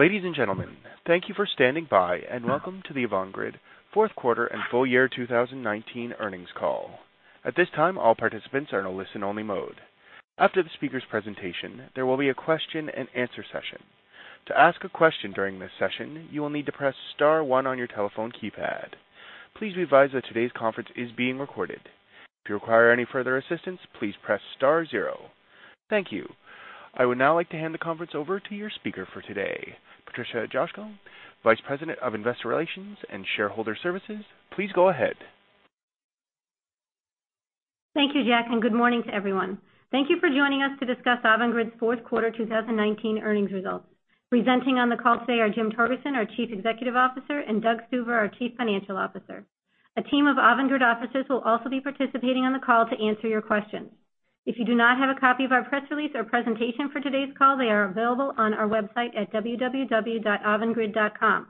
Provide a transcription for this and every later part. Ladies and gentlemen, thank you for standing by, and welcome to the Avangrid fourth quarter and full year 2019 earnings call. At this time, all participants are in a listen-only mode. After the speakers' presentation, there will be a question and answer session. To ask a question during this session, you will need to press star one on your telephone keypad. Please be advised that today's conference is being recorded. If you require any further assistance, please press star zero. Thank you. I would now like to hand the conference over to your speaker for today, Patricia Cosgel, Vice President of Investor Relations and Shareholder Services. Please go ahead. Thank you, Jack, good morning to everyone. Thank you for joining us to discuss Avangrid's fourth quarter 2019 earnings results. Presenting on the call today are Jim Torgerson, our Chief Executive Officer, and Doug Stuver, our Chief Financial Officer. A team of Avangrid officers will also be participating on the call to answer your questions. If you do not have a copy of our press release or presentation for today's call, they are available on our website at www.avangrid.com.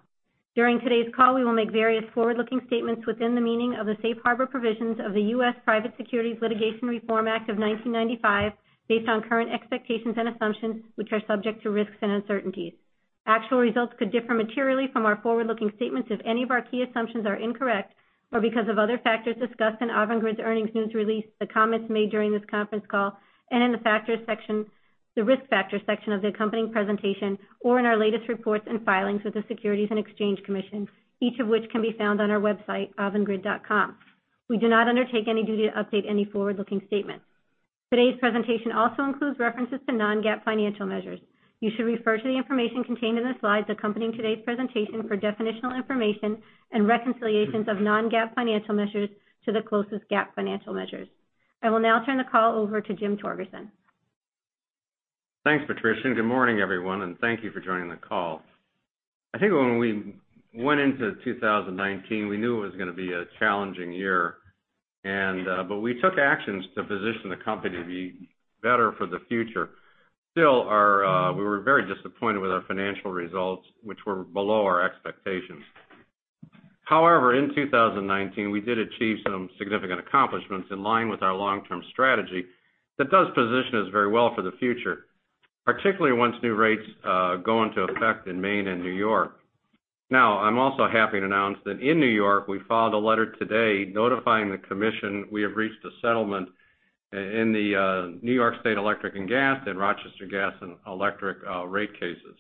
During today's call, we will make various forward-looking statements within the meaning of the Safe Harbor Provisions of the U.S. Private Securities Litigation Reform Act of 1995, based on current expectations and assumptions, which are subject to risks and uncertainties. Actual results could differ materially from our forward-looking statements if any of our key assumptions are incorrect, or because of other factors discussed in Avangrid's earnings news release, the comments made during this conference call, and in the risk factor section of the accompanying presentation, or in our latest reports and filings with the Securities and Exchange Commission, each of which can be found on our website, avangrid.com. We do not undertake any duty to update any forward-looking statements. Today's presentation also includes references to non-GAAP financial measures. You should refer to the information contained in the slides accompanying today's presentation for definitional information and reconciliations of non-GAAP financial measures to the closest GAAP financial measures. I will now turn the call over to Jim Torgerson. Thanks, Patricia. Good morning, everyone. Thank you for joining the call. I think when we went into 2019, we knew it was going to be a challenging year, but we took actions to position the company to be better for the future. Still, we were very disappointed with our financial results, which were below our expectations. However, in 2019, we did achieve some significant accomplishments in line with our long-term strategy that does position us very well for the future, particularly once new rates go into effect in Maine and New York. Now, I'm also happy to announce that in New York, we filed a letter today notifying the commission we have reached a settlement in the New York State Electric & Gas and Rochester Gas and Electric rate cases.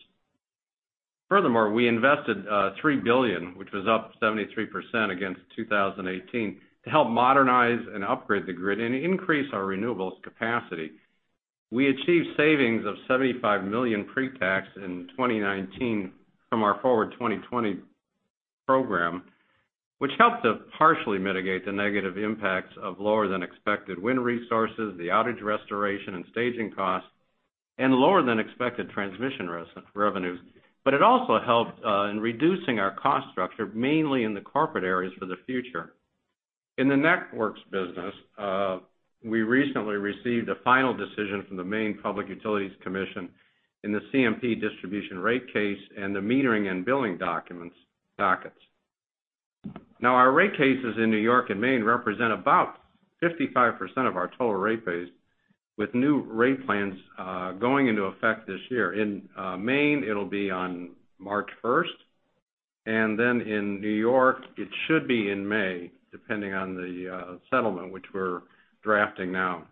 We invested $3 billion, which was up 73% against 2018, to help modernize and upgrade the grid and increase our renewables capacity. We achieved savings of $75 million pre-tax in 2019 from our Forward 2020 program, which helped to partially mitigate the negative impacts of lower than expected wind resources, the outage restoration, and staging costs, and lower than expected transmission revenues. It also helped in reducing our cost structure, mainly in the corporate areas for the future. In the Networks business, we recently received a final decision from the Maine Public Utilities Commission in the CMP distribution rate case and the metering and billing dockets. Our rate cases in New York and Maine represent about 55% of our total rate base, with new rate plans going into effect this year. In Maine, it'll be on March 1st, and then in New York, it should be in May, depending on the settlement, which we're drafting now.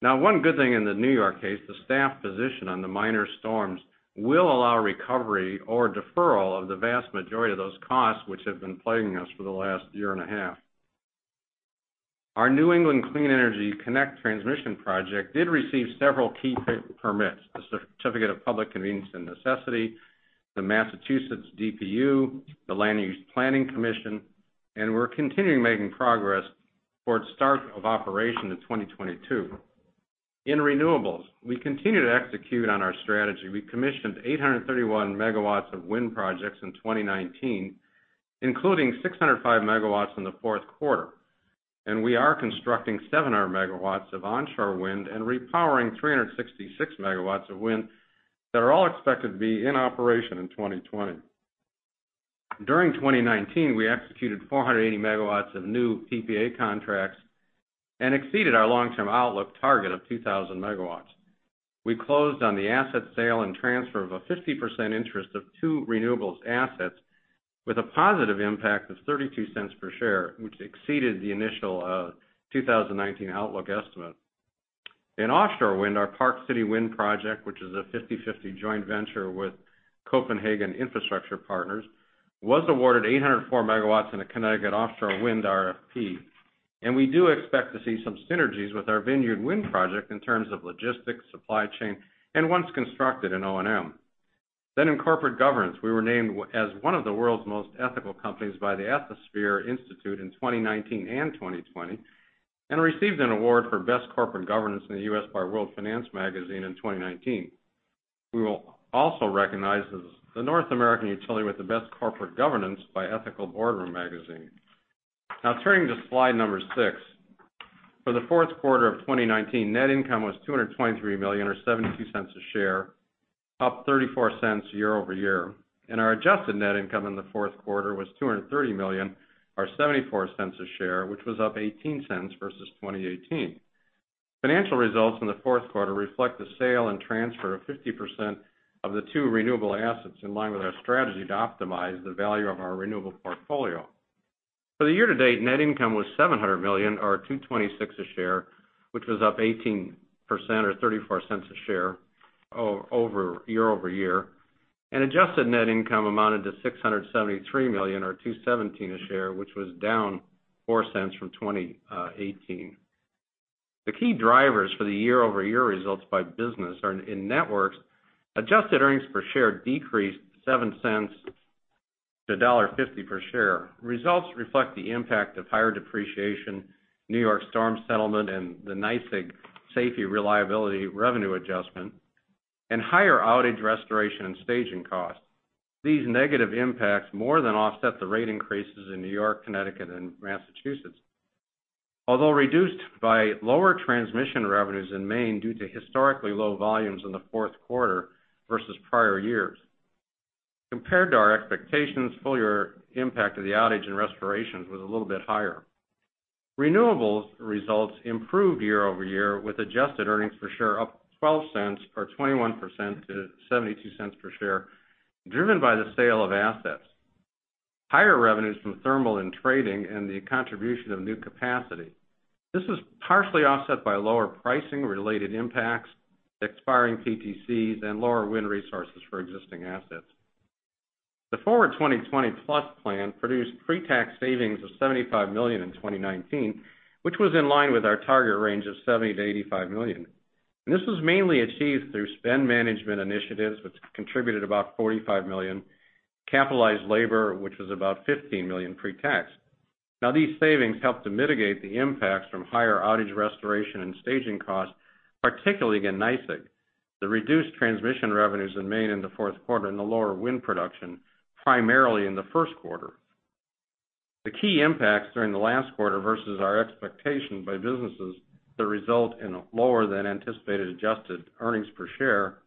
One good thing in the New York case, the staff position on the minor storms will allow recovery or deferral of the vast majority of those costs, which have been plaguing us for the last year and a half. Our New England Clean Energy Connect transmission project did receive several key permits, the Certificate of Public Convenience and Necessity, the Massachusetts DPU, the Land Use Planning Commission, and we're continuing making progress for its start of operation in 2022. In renewables, we continue to execute on our strategy. We commissioned 831 MW of wind projects in 2019, including 605 MW in the fourth quarter, and we are constructing 700 MW of onshore wind and repowering 366 MW of wind that are all expected to be in operation in 2020. During 2019, we executed 480 MW of new PPA contracts and exceeded our long-term outlook target of 2,000 MW. We closed on the asset sale and transfer of a 50% interest of two renewables assets with a positive impact of $0.32 per share, which exceeded the initial 2019 outlook estimate. In offshore wind, our Park City Wind project, which is a 50/50 joint venture with Copenhagen Infrastructure Partners, was awarded 804 MW in a Connecticut offshore wind RFP, and we do expect to see some synergies with our Vineyard Wind project in terms of logistics, supply chain, and once constructed in O&M. In corporate governance, we were named as one of the world's most ethical companies by the Ethisphere Institute in 2019 and 2020, and received an award for best corporate governance in the U.S. by World Finance Magazine in 2019. We were also recognized as the North American utility with the best corporate governance by Ethical Boardroom Magazine. Turning to slide number six. For the fourth quarter of 2019, net income was $223 million or $0.72 a share, up $0.34 year-over-year. Our adjusted net income in the fourth quarter was $230 million or $0.74 a share, which was up $0.18 versus 2018. Financial results in the fourth quarter reflect the sale and transfer of 50% of the two renewable assets, in line with our strategy to optimize the value of our renewable portfolio. For the year-to-date, net income was $700 million, or $2.26 a share, which was up 18% or $0.34 a share year-over-year. Adjusted net income amounted to $673 million, or $2.17 a share, which was down $0.04 from 2018. The key drivers for the year-over-year results by business are in networks. Adjusted earnings per share decreased $0.07-$1.50 per share. Results reflect the impact of higher depreciation, New York storm settlement, and the NYSEG safety reliability revenue adjustment, and higher outage restoration and staging costs. These negative impacts more than offset the rate increases in New York, Connecticut, and Massachusetts. Although reduced by lower transmission revenues in Maine due to historically low volumes in the fourth quarter versus prior years. Compared to our expectations, full-year impact of the outage and restorations was a little bit higher. Renewables results improved year-over-year with adjusted earnings per share up $0.12 or 21% to $0.72 per share, driven by the sale of assets, higher revenues from thermal and trading, and the contribution of new capacity. This was partially offset by lower pricing-related impacts, expiring PTCs, and lower wind resources for existing assets. The Forward 2020+ plan produced pre-tax savings of $75 million in 2019, which was in line with our target range of $70 million-$85 million. This was mainly achieved through spend management initiatives, which contributed about $45 million, capitalized labor, which was about $15 million pre-tax. Now, these savings helped to mitigate the impacts from higher outage restoration and staging costs, particularly in NYSEG, the reduced transmission revenues in Maine in the fourth quarter and the lower wind production primarily in the first quarter. The key impacts during the last quarter versus our expectation by businesses that result in a lower than anticipated adjusted earnings per share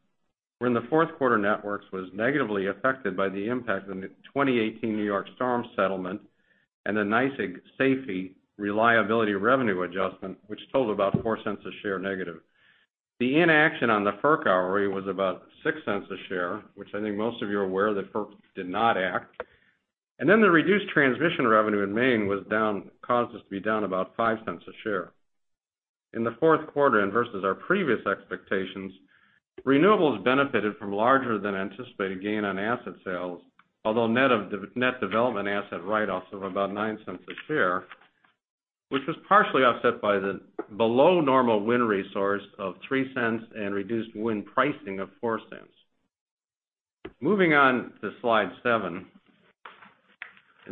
were in the fourth quarter, Networks was negatively affected by the impact of the 2018 New York storm settlement and the NYSEG safety reliability revenue adjustment, which totaled about $0.04 a share negative. The inaction on the FERC ROE was about $0.06 a share, which I think most of you are aware that FERC did not act. The reduced transmission revenue in Maine caused us to be down about $0.05 a share. In the fourth quarter and versus our previous expectations, Renewables benefited from larger than anticipated gain on asset sales, although net development asset write-offs of about $0.09 a share, which was partially offset by the below normal wind resource of $0.03 and reduced wind pricing of $0.04. Moving on to slide seven.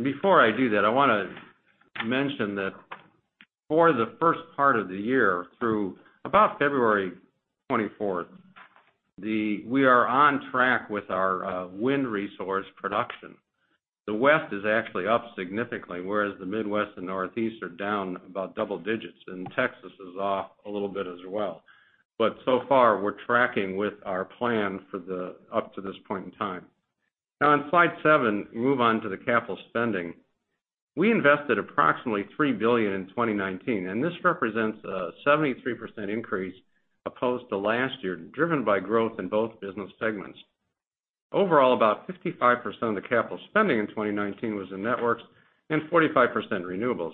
Before I do that, I want to mention that for the first part of the year through about February 24th, we are on track with our wind resource production. The West is actually up significantly, whereas the Midwest and Northeast are down about double digits, and Texas is off a little bit as well. So far, we're tracking with our plan up to this point in time. On slide seven, move on to the capital spending. We invested approximately $3 billion in 2019, and this represents a 73% increase opposed to last year, driven by growth in both business segments. Overall, about 55% of the capital spending in 2019 was in networks and 45% renewables.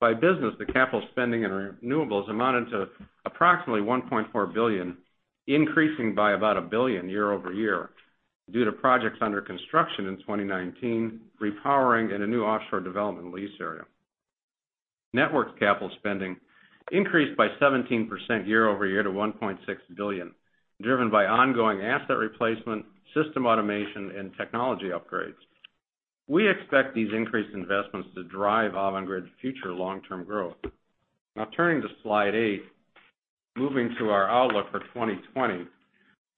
By business, the capital spending in renewables amounted to approximately $1.4 billion, increasing by about $1 billion year-over-year due to projects under construction in 2019, repowering, and a new offshore development lease area. Networks capital spending increased by 17% year-over-year to $1.6 billion, driven by ongoing asset replacement, system automation, and technology upgrades. We expect these increased investments to drive Avangrid's future long-term growth. Turning to slide eight, moving to our outlook for 2020.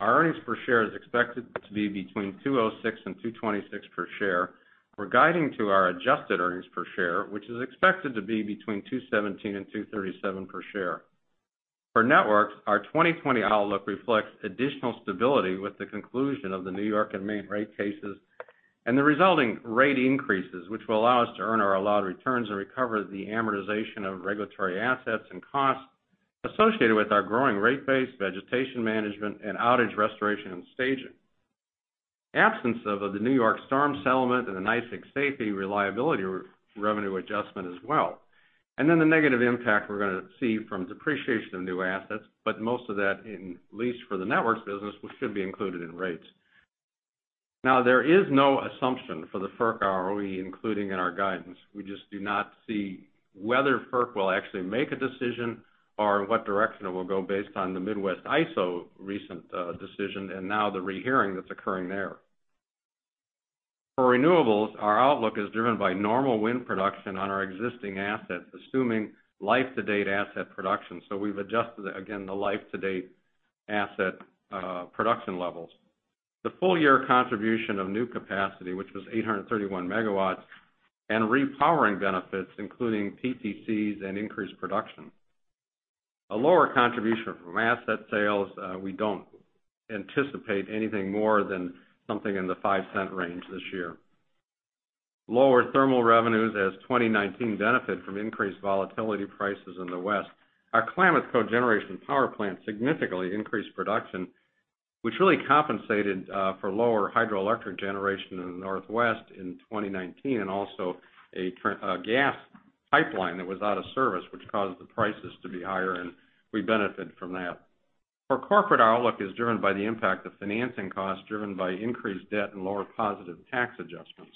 Our earnings per share is expected to be between $2.06 and $2.26 per share. We're guiding to our adjusted earnings per share, which is expected to be between $2.17 and $2.37 per share. For networks, our 2020 outlook reflects additional stability with the conclusion of the New York and Maine rate cases and the resulting rate increases, which will allow us to earn our allowed returns and recover the amortization of regulatory assets and costs associated with our growing rate base, vegetation management, and outage restoration and staging. Absence of the New York storm settlement and the NYSEG safety reliability revenue adjustment as well. The negative impact we're going to see from depreciation of new assets, but most of that, at least for the networks business, should be included in rates. There is no assumption for the FERC ROE including in our guidance. We just do not see whether FERC will actually make a decision or what direction it will go based on the Midwest ISO recent decision and the rehearing that's occurring there. For renewables, our outlook is driven by normal wind production on our existing assets, assuming life-to-date asset production. We've adjusted, again, the life-to-date asset production levels. The full-year contribution of new capacity, which was 831 MW, and repowering benefits, including PTCs and increased production. A lower contribution from asset sales, we don't anticipate anything more than something in the $0.05 range this year. Lower thermal revenues as 2019 benefit from increased volatility prices in the West. Our Klamath cogeneration power plant significantly increased production, which really compensated for lower hydroelectric generation in the Northwest in 2019, and also a gas pipeline that was out of service, which caused the prices to be higher, and we benefit from that. Our corporate outlook is driven by the impact of financing costs driven by increased debt and lower positive tax adjustments.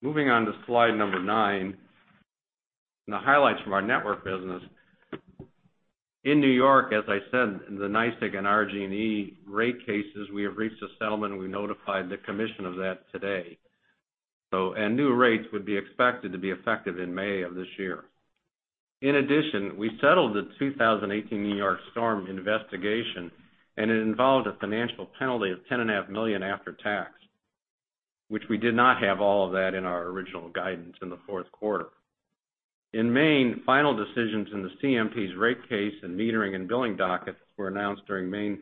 Moving on to slide number nine, the highlights from our network business. In New York, as I said, the NYSEG and RG&E rate cases, we have reached a settlement. We notified the commission of that today. New rates would be expected to be effective in May of this year. In addition, we settled the 2018 New York storm investigation. It involved a financial penalty of $10.5 million after tax, which we did not have all of that in our original guidance in the fourth quarter. In Maine, final decisions in the CMP's rate case and metering and billing dockets were announced during Maine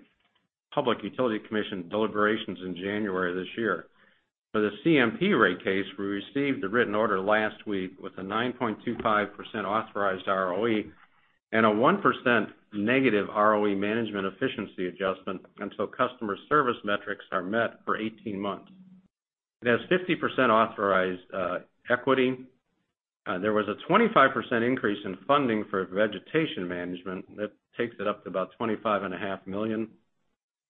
Public Utility Commission deliberations in January of this year. For the CMP rate case, we received a written order last week with a 9.25% authorized ROE and a 1%- ROE management efficiency adjustment until customer service metrics are met for 18 months. It has 50% authorized equity. There was a 25% increase in funding for vegetation management that takes it up to about $25.5 million.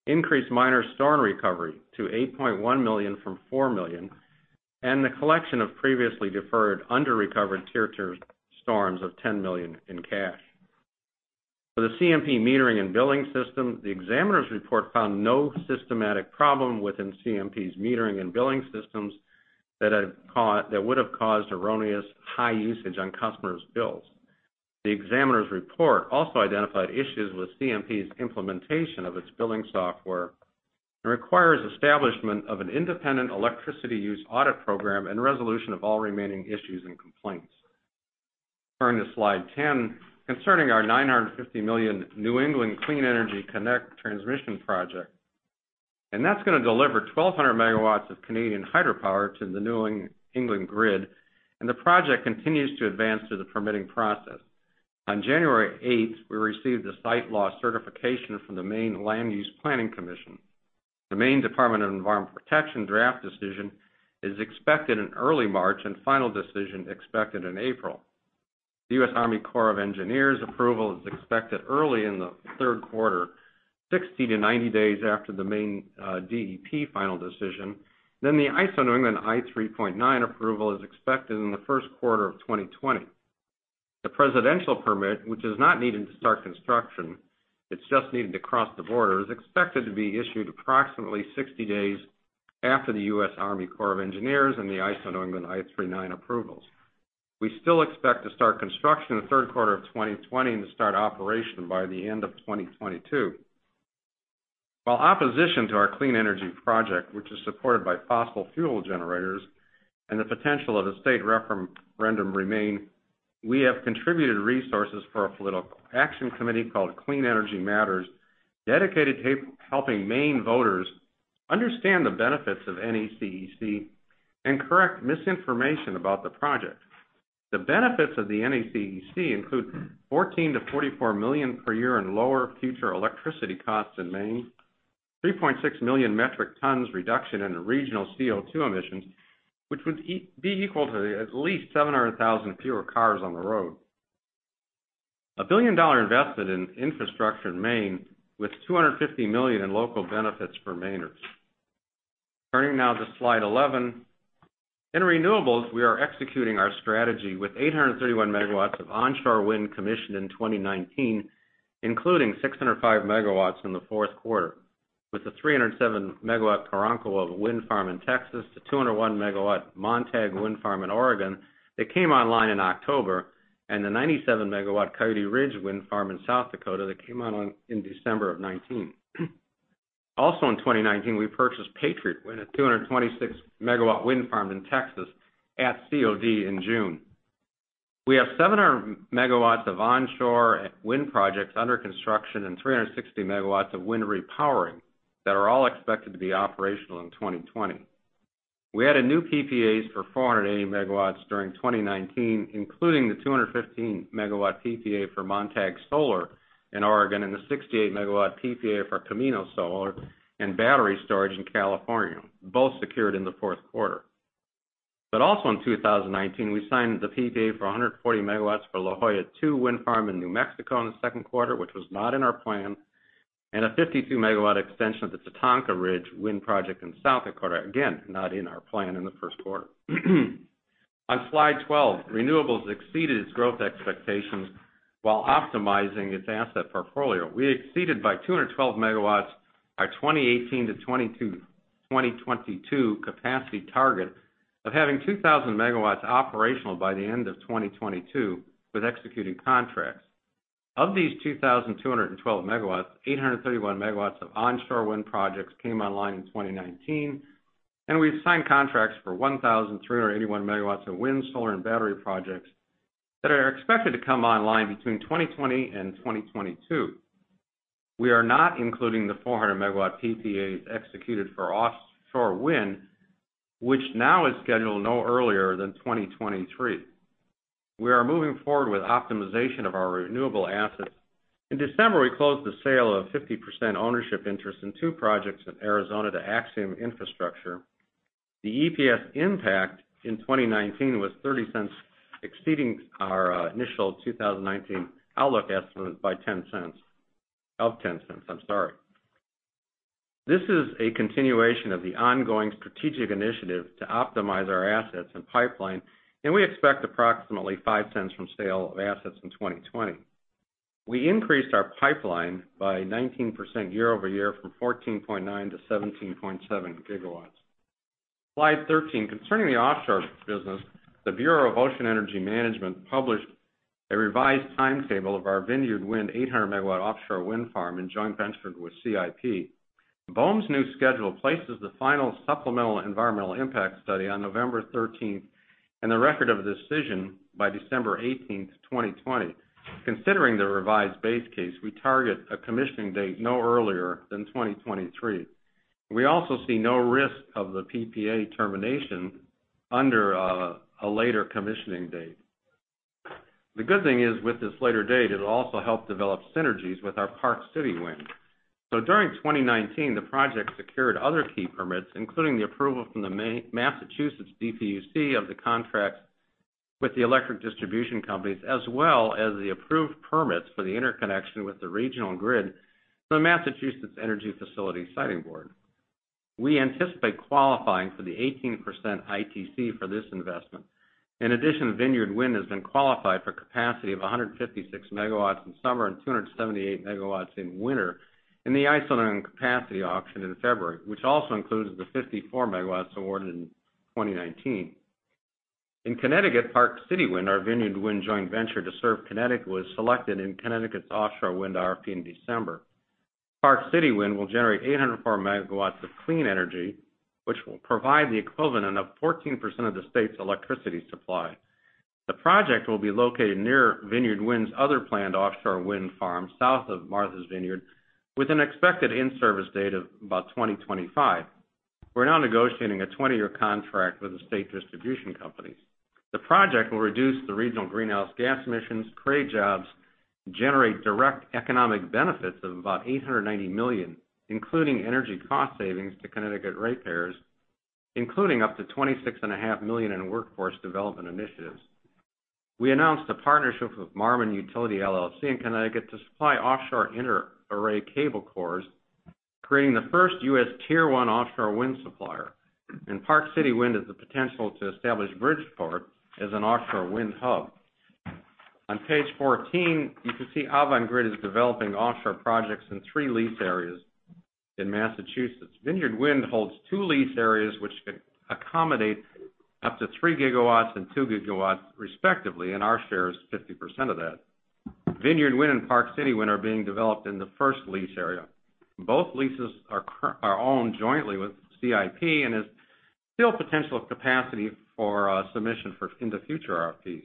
Increased minor storm recovery to $8.1 million from $4 million, and the collection of previously deferred under-recovered Tier 2 storms of $10 million in cash. For the CMP metering and billing system, the examiner's report found no systematic problem within CMP's metering and billing systems that would've caused erroneous high usage on customers' bills. The examiner's report also identified issues with CMP's implementation of its billing software and requires establishment of an independent electricity use audit program and resolution of all remaining issues and complaints. Turning to slide 10, concerning our $950 million New England Clean Energy Connect transmission project. That's going to deliver 1,200 MW of Canadian hydropower to the New England grid, and the project continues to advance through the permitting process. On January 8th, we received a site law certification from the Maine Land Use Planning Commission. The Maine Department of Environmental Protection draft decision is expected in early March, and final decision expected in April. The U.S. Army Corps of Engineers approval is expected early in the third quarter, 60-90 days after the Maine DEP final decision. The ISO New England I-3.9 approval is expected in the first quarter of 2020. The presidential permit, which is not needed to start construction, it's just needed to cross the border, is expected to be issued approximately 60 days after the U.S. Army Corps of Engineers and the ISO New England I-3.9 approvals. We still expect to start construction in the third quarter of 2020 and to start operation by the end of 2022. While opposition to our Clean Energy Matters project, which is supported by fossil fuel generators and the potential of a state referendum remain, we have contributed resources for a political action committee called Clean Energy Matters, dedicated to helping Maine voters understand the benefits of NECEC and correct misinformation about the project. The benefits of the NECEC include $14 million-$44 million per year in lower future electricity costs in Maine, 3.6 million metric tons reduction in regional CO2 emissions, which would be equal to at least 700,000 fewer cars on the road. A billion-dollar investment in infrastructure in Maine, with $250 million in local benefits for Mainers. Turning now to slide 11. In renewables, we are executing our strategy with 831 MW of onshore wind commissioned in 2019, including 605 MW in the fourth quarter with the 307 MW Karankawa Wind Farm in Texas, the 201 MW Montague Wind Farm in Oregon that came online in October, and the 97 MW Coyote Ridge Wind Farm in South Dakota that came on in December of 2019. Also, in 2019, we purchased Patriot Wind, a 226 MW wind farm in Texas at COD in June. We have 700 MW of onshore wind projects under construction and 360 MW of wind repowering that are all expected to be operational in 2020. We added new PPAs for 480 MW during 2019, including the 215 MW PPA for Montague Solar in Oregon and the 68 MW PPA for Camino Solar and battery storage in California, both secured in the fourth quarter. Also in 2019, we signed the PPA for 140 MW for La Joya II Wind Farm in New Mexico in the second quarter, which was not in our plan, and a 52 MW extension of the Tatanka Ridge Wind Farm in South Dakota. Again, not in our plan in the first quarter. On slide 12, renewables exceeded its growth expectations while optimizing its asset portfolio. We exceeded by 212 MW our 2018-2022 capacity target of having 2,000 MW operational by the end of 2022 with executed contracts. Of these 2,212 MW, 831 MW of onshore wind projects came online in 2019, and we've signed contracts for 1,381 MW of wind, solar, and battery projects that are expected to come online between 2020 and 2022. We are not including the 400 MW PPAs executed for offshore wind, which now is scheduled no earlier than 2023. We are moving forward with optimization of our renewable assets. In December, we closed the sale of 50% ownership interest in two projects in Arizona to Axium Infrastructure. The EPS impact in 2019 was $0.30, exceeding our initial 2019 outlook estimate of $0.10. This is a continuation of the ongoing strategic initiative to optimize our assets and pipeline. We expect approximately $0.05 from sale of assets in 2020. We increased our pipeline by 19% year-over-year from 14.9 GW- 17.7 GW. Slide 13. Concerning the offshore business, the Bureau of Ocean Energy Management published a revised timetable of our Vineyard Wind 800 MW offshore wind farm in joint venture with CIP. BOEM's new schedule places the final supplemental environmental impact study on November 13th. The record of decision by December 18th, 2020. Considering the revised base case, we target a commissioning date no earlier than 2023. We also see no risk of the PPA termination under a later commissioning date. The good thing is, with this later date, it'll also help develop synergies with our Park City Wind. During 2019, the project secured other key permits, including the approval from the Massachusetts DPUC of the contract with the electric distribution companies, as well as the approved permits for the interconnection with the regional grid from the Massachusetts Energy Facilities Siting Board. We anticipate qualifying for the 18% ITC for this investment. In addition, Vineyard Wind has been qualified for capacity of 156 MW in summer and 278 MW in winter in the island capacity auction in February, which also includes the 54 MW awarded in 2019. In Connecticut, Park City Wind, our Vineyard Wind joint venture to serve Connecticut, was selected in Connecticut's offshore wind RFP in December. Park City Wind will generate 804 MW of clean energy, which will provide the equivalent of 14% of the state's electricity supply. The project will be located near Vineyard Wind's other planned offshore wind farm south of Martha's Vineyard, with an expected in-service date of about 2025. We are now negotiating a 20-year contract with the state distribution companies. The project will reduce the regional greenhouse gas emissions, create jobs, generate direct economic benefits of about $890 million, including energy cost savings to Connecticut ratepayers, including up to $26.5 million in workforce development initiatives. We announced a partnership with Marmon Utility LLC in Connecticut to supply offshore inter-array cable cores, creating the first U.S. tier 1 offshore wind supplier. Park City Wind has the potential to establish Bridgeport as an offshore wind hub. On page 14, you can see Avangrid is developing offshore projects in three lease areas in Massachusetts. Vineyard Wind holds two lease areas which could accommodate up to 3 GW and 2 GW respectively. Our share is 50% of that. Vineyard Wind and Park City Wind are being developed in the first lease area. Both leases are owned jointly with CIP, has still potential capacity for submission in the future RFPs.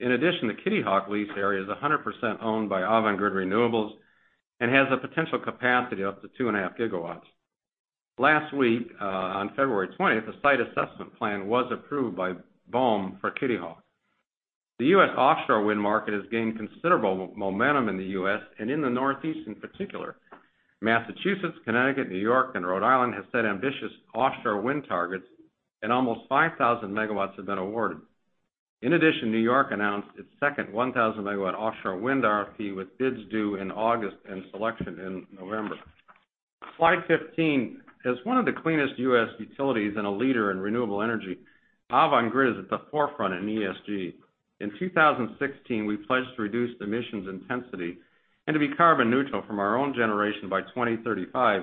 In addition, the Kitty Hawk lease area is 100% owned by Avangrid Renewables and has a potential capacity up to 2.5 GW. Last week, on February 20th, a site assessment plan was approved by BOEM for Kitty Hawk. The U.S. offshore wind market has gained considerable momentum in the U.S. and in the Northeast in particular. Massachusetts, Connecticut, New York, and Rhode Island have set ambitious offshore wind targets, and almost 5,000 MW have been awarded. In addition, New York announced its second 1,000 MW offshore wind RFP, with bids due in August and selection in November. Slide 15. As one of the cleanest U.S. utilities and a leader in renewable energy, Avangrid is at the forefront in ESG. In 2016, we pledged to reduce emissions intensity and to be carbon neutral from our own generation by 2035,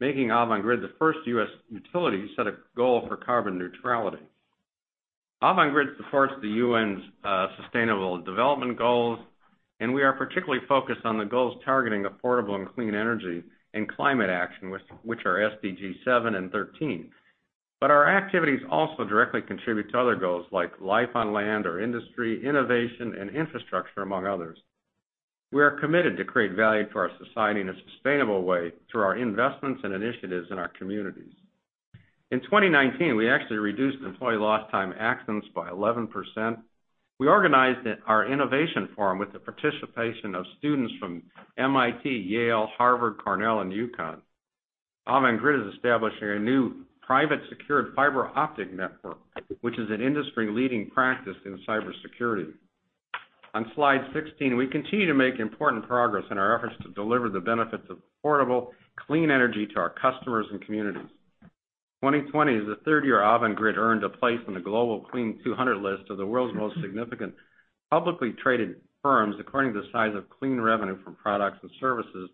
making Avangrid the first U.S. utility to set a goal for carbon neutrality. Avangrid supports the UN's sustainable development goals. We are particularly focused on the goals targeting affordable and clean energy and climate action, which are SDG 7 and 13. Our activities also directly contribute to other goals like life on land or industry, innovation, and infrastructure, among others. We are committed to create value for our society in a sustainable way through our investments and initiatives in our communities. In 2019, we actually reduced employee lost time accidents by 11%. We organized our innovation forum with the participation of students from MIT, Yale, Harvard, Cornell, and UConn. Avangrid is establishing a new private secured fiber-optic network, which is an industry-leading practice in cybersecurity. On slide 16, we continue to make important progress in our efforts to deliver the benefits of affordable, clean energy to our customers and communities. 2020 is the third year Avangrid earned a place on the Global Clean200 list of the world's most significant publicly traded firms according to the size of clean revenue from products and services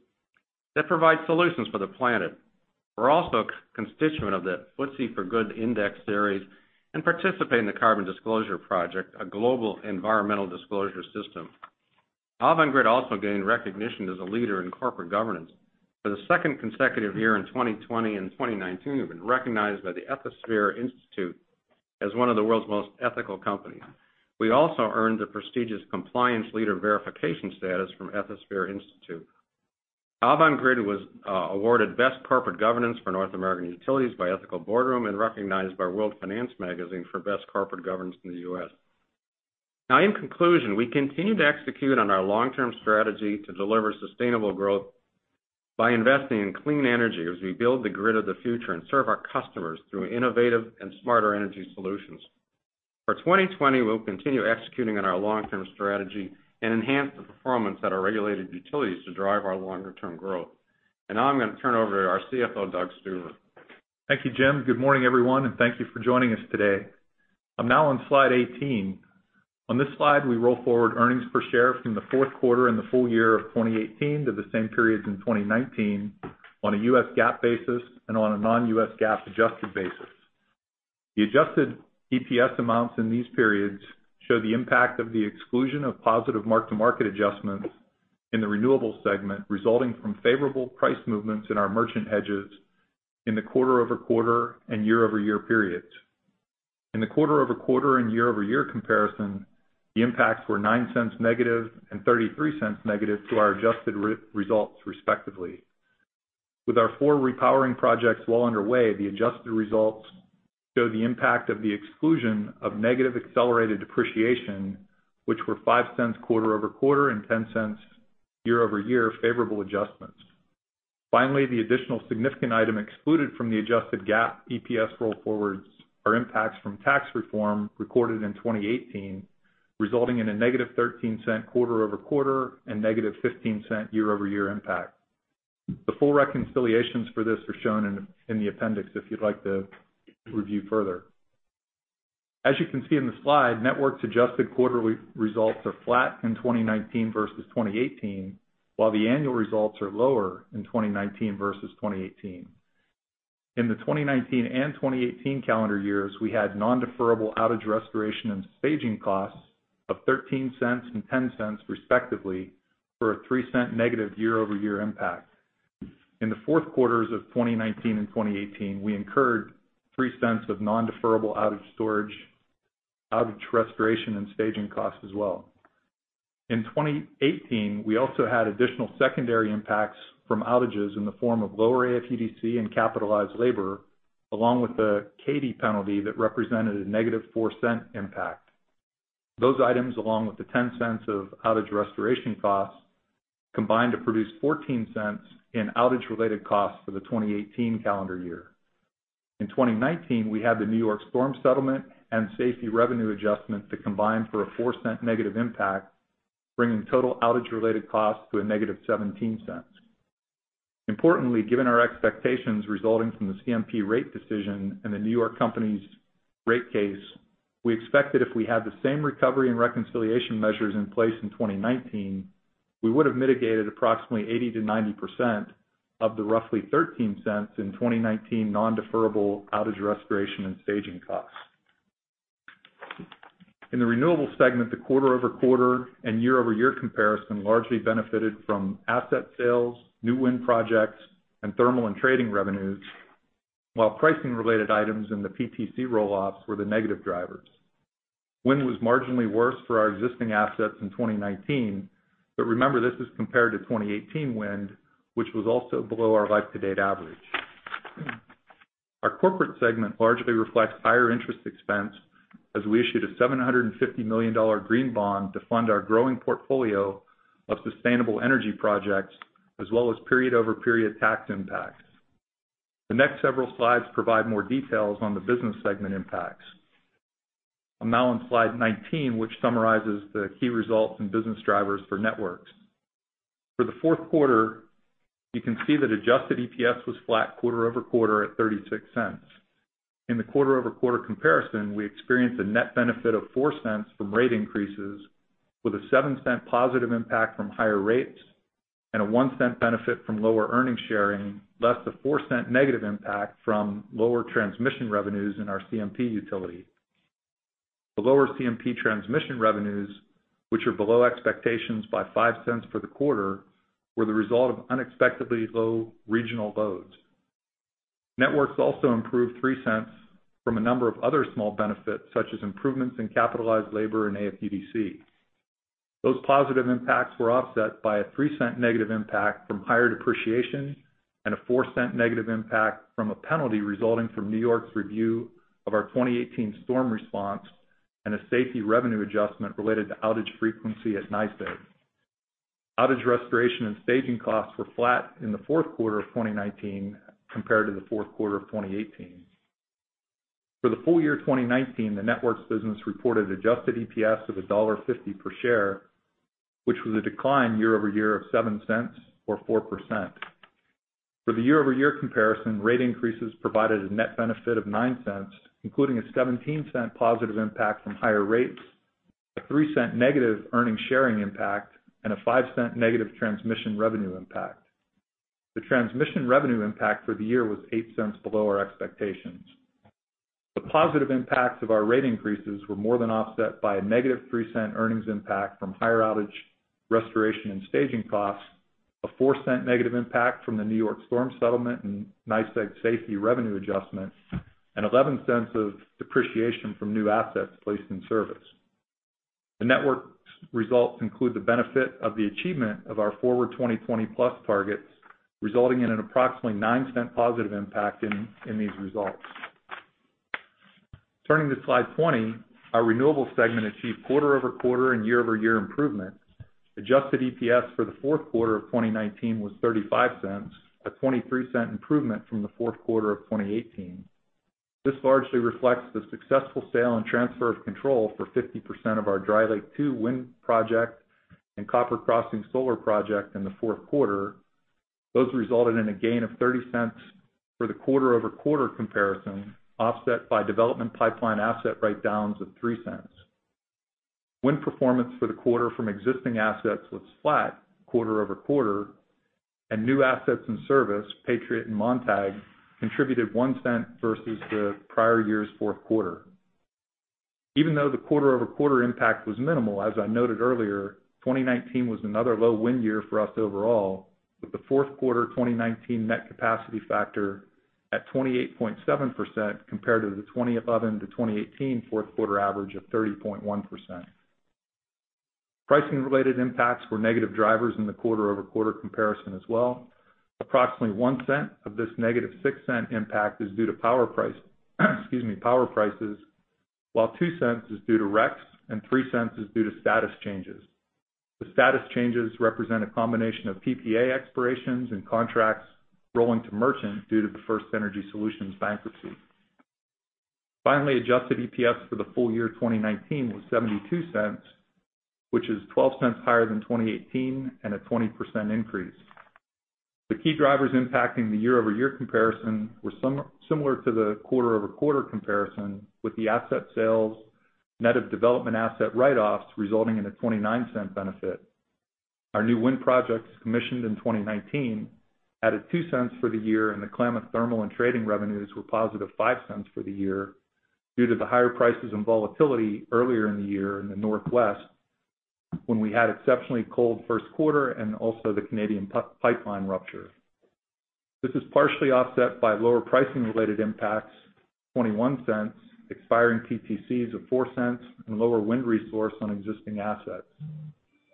that provide solutions for the planet. We're also a constituent of the FTSE4Good index series and participate in the Carbon Disclosure Project, a global environmental disclosure system. Avangrid also gained recognition as a leader in corporate governance. For the second consecutive year in 2020 and 2019, we've been recognized by the Ethisphere Institute as one of the world's most ethical companies. We also earned the prestigious Compliance Leader verification status from Ethisphere Institute. Avangrid was awarded Best Corporate Governance for North American Utilities by Ethical Boardroom and recognized by World Finance Magazine for best corporate governance in the U.S. In conclusion, we continue to execute on our long-term strategy to deliver sustainable growth by investing in clean energy as we build the grid of the future and serve our customers through innovative and smarter energy solutions. For 2020, we'll continue executing on our long-term strategy and enhance the performance at our regulated utilities to drive our longer-term growth. Now I'm going to turn it over to our CFO, Doug Stuver. Thank you, Jim. Good morning, everyone, and thank you for joining us today. I'm now on slide 18. On this slide, we roll forward earnings per share from the fourth quarter and the full year of 2018 to the same periods in 2019 on a U.S. GAAP basis and on a non-U.S. GAAP adjusted basis. The adjusted EPS amounts in these periods show the impact of the exclusion of positive mark-to-market adjustments in the renewables segment, resulting from favorable price movements in our merchant hedges in the quarter-over-quarter and year-over-year periods. In the quarter-over-quarter and year-over-year comparison, the impacts were $0.09- and $0.33- to our adjusted results, respectively. With our four repowering projects well underway, the adjusted results show the impact of the exclusion of negative accelerated depreciation, which were $0.05 quarter-over-quarter and $0.10 year-over-year favorable adjustments. Finally, the additional significant item excluded from the adjusted GAAP EPS roll forwards are impacts from tax reform recorded in 2018, resulting in a -$0.13 quarter-over-quarter and -$0.15 year-over-year impact. The full reconciliations for this are shown in the appendix if you'd like to review further. As you can see in the slide, networks adjusted quarterly results are flat in 2019 versus 2018, while the annual results are lower in 2019 versus 2018. In the 2019 and 2018 calendar years, we had non-deferrable outage restoration and staging costs of $0.13 and $0.10, respectively, for a $0.03- year-over-year impact. In the fourth quarters of 2019 and 2018, we incurred $0.03 of non-deferrable outage restoration and staging costs as well. In 2018, we also had additional secondary impacts from outages in the form of lower AFUDC and capitalized labor, along with the CAIDI penalty that represented a -$0.04 impact. Those items, along with the $0.10 of outage restoration costs, combined to produce $0.14 in outage-related costs for the 2018 calendar year. In 2019, we had the New York Storm settlement and safety revenue adjustments that combined for a $0.04- impact, bringing total outage-related costs to a -$0.17. Importantly, given our expectations resulting from the CMP rate decision and the New York company's rate case, we expect that if we had the same recovery and reconciliation measures in place in 2019, we would have mitigated approximately 80%-90% of the roughly $0.13 in 2019 non-deferrable outage restoration and staging costs. In the renewable segment, the quarter-over-quarter and year-over-year comparison largely benefited from asset sales, new wind projects, and thermal and trading revenues, while pricing-related items in the PTC roll-offs were the negative drivers. Wind was marginally worse for our existing assets in 2019, but remember, this is compared to 2018 wind, which was also below our life-to-date average. Our corporate segment largely reflects higher interest expense as we issued a $750 million green bond to fund our growing portfolio of sustainable energy projects as well as period-over-period tax impacts. The next several slides provide more details on the business segment impacts. I'm now on slide 19, which summarizes the key results and business drivers for Networks. For the fourth quarter, you can see that adjusted EPS was flat quarter-over-quarter at $0.36. In the quarter-over-quarter comparison, we experienced a net benefit of $0.04 from rate increases with a $0.07+ impact from higher rates and a $0.01 benefit from lower earnings sharing, less the $0.04- impact from lower transmission revenues in our CMP utility. The lower CMP transmission revenues, which are below expectations by $0.05 for the quarter, were the result of unexpectedly low regional loads. Networks also improved $0.03 from a number of other small benefits, such as improvements in capitalized labor and AFUDC. Those positive impacts were offset by a $0.03- impact from higher depreciation and a $0.04- impact from a penalty resulting from New York's review of our 2018 storm response and a safety revenue adjustment related to outage frequency at NYSEG. Outage restoration and staging costs were flat in the fourth quarter of 2019 compared to the fourth quarter of 2018. For the full year 2019, the networks business reported adjusted EPS of $1.50 per share, which was a decline year-over-year of $0.07 or 4%. For the year-over-year comparison, rate increases provided a net benefit of $0.09, including a $0.1+ impact from higher rates, a $0.03- earnings sharing impact, and a $0.05- transmission revenue impact. The transmission revenue impact for the year was $0.08 below our expectations. The positive impacts of our rate increases were more than offset by a -$0.03 earnings impact from higher outage restoration and staging costs, a $0.04- impact from the New York storm settlement and NYSEG safety revenue adjustments, and $0.11 of depreciation from new assets placed in service. The network's results include the benefit of the achievement of our Forward 2020+ targets, resulting in an approximately $0.09+ impact in these results. Turning to slide 20, our renewables segment achieved quarter-over-quarter and year-over-year improvements. Adjusted EPS for the fourth quarter of 2019 was $0.35, a $0.23 improvement from the fourth quarter of 2018. This largely reflects the successful sale and transfer of control for 50% of our Dry Lake 2 wind project and Copper Crossing Solar Project in the fourth quarter. Those resulted in a gain of $0.30 for the quarter-over-quarter comparison, offset by development pipeline asset write-downs of $0.03. Wind performance for the quarter from existing assets was flat quarter-over-quarter, and new assets in service, Patriot and Montague, contributed $0.01 versus the prior year's fourth quarter. Even though the quarter-over-quarter impact was minimal, as I noted earlier, 2019 was another low wind year for us overall, with the fourth quarter 2019 Net Capacity Factor at 28.7% compared to the 2011-2018 fourth quarter average of 30.1%. Pricing-related impacts were negative drivers in the quarter-over-quarter comparison as well. Approximately $0.01 of this -$0.06 impact is due to power price, excuse me, power prices, while $0.02 is due to RECS and $0.03 is due to status changes. The status changes represent a combination of PPA expirations and contracts rolling to merchant due to the FirstEnergy Solutions bankruptcy. Finally, adjusted EPS for the full year 2019 was $0.72, which is $0.12 higher than 2018 and a 20% increase. The key drivers impacting the year-over-year comparison were similar to the quarter-over-quarter comparison, with the asset sales net of development asset write-offs resulting in a $0.29 benefit. Our new wind projects commissioned in 2019 added $0.02 for the year, and the Klamath thermal and trading revenues were +$0.05 for the year due to the higher prices and volatility earlier in the year in the Northwest, when we had exceptionally cold first quarter and also the Canadian pipeline rupture. This is partially offset by lower pricing-related impacts, $0.21, expiring PTCs of $0.04, and lower wind resource on existing assets.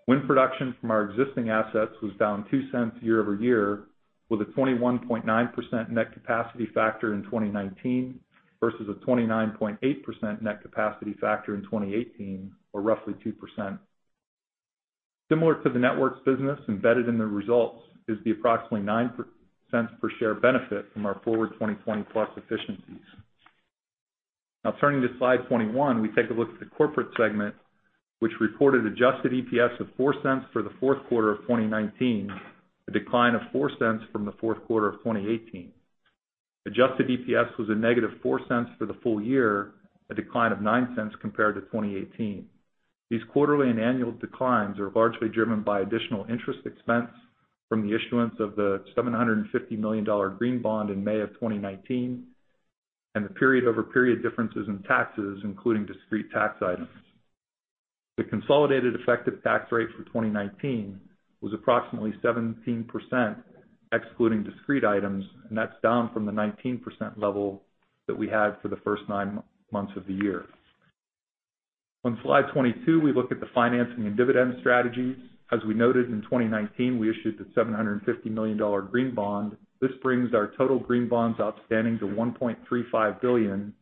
Wind production from our existing assets was down $0.02 year-over-year, with a 21.9% net capacity factor in 2019 versus a 29.8% net capacity factor in 2018, or roughly 2%. Similar to the networks business, embedded in the results is the approximately $0.09 per share benefit from our Forward 2020+ efficiencies. Turning to slide 21, we take a look at the corporate segment, which reported adjusted EPS of $0.04 for the fourth quarter of 2019, a decline of $0.04 from the fourth quarter of 2018. Adjusted EPS was a -$0.04 for the full year, a decline of $0.09 compared to 2018. These quarterly and annual declines are largely driven by additional interest expense from the issuance of the $750 million green bond in May of 2019, and the period-over-period differences in taxes, including discrete tax items. The consolidated effective tax rate for 2019 was approximately 17%, excluding discrete items, and that's down from the 19% level that we had for the first nine months of the year. On slide 22, we look at the financing and dividend strategies. As we noted in 2019, we issued the $750 million green bond. This brings our total green bonds outstanding to $1.35 billion.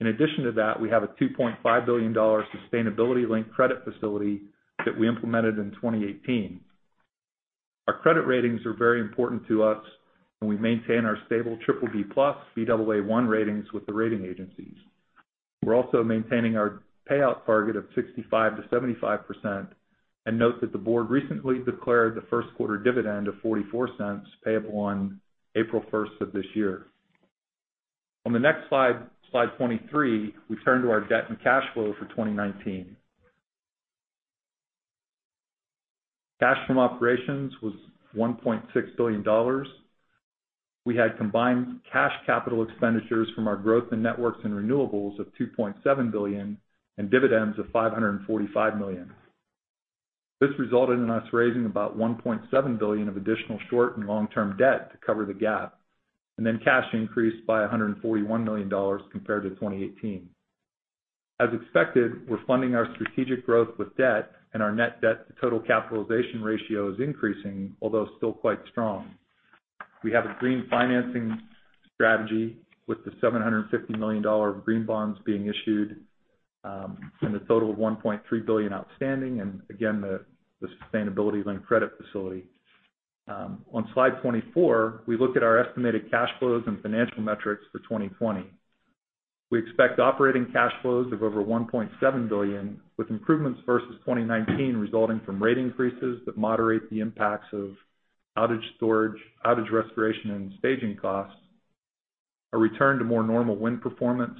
In addition to that, we have a $2.5 billion sustainability-linked credit facility that we implemented in 2018. Our credit ratings are very important to us, and we maintain our stable BBB+/Baa1 ratings with the rating agencies. We're also maintaining our payout target of 65%-75%, and note that the board recently declared the first quarter dividend of $0.44, payable on April 1st of this year. On the next slide 23, we turn to our debt and cash flow for 2019. Cash from operations was $1.6 billion. We had combined cash capital expenditures from our growth in networks and renewables of $2.7 billion and dividends of $545 million. This resulted in us raising about $1.7 billion of additional short and long-term debt to cover the gap, and then cash increased by $141 million compared to 2018. As expected, we're funding our strategic growth with debt, and our net debt to total capitalization ratio is increasing, although still quite strong. We have a green financing strategy with the $750 million of green bonds being issued, and a total of $1.3 billion outstanding, and again, the sustainability linked credit facility. On slide 24, we look at our estimated cash flows and financial metrics for 2020. We expect operating cash flows of over $1.7 billion, with improvements versus 2019 resulting from rate increases that moderate the impacts of outage storage, outage restoration, and staging costs, a return to more normal wind performance,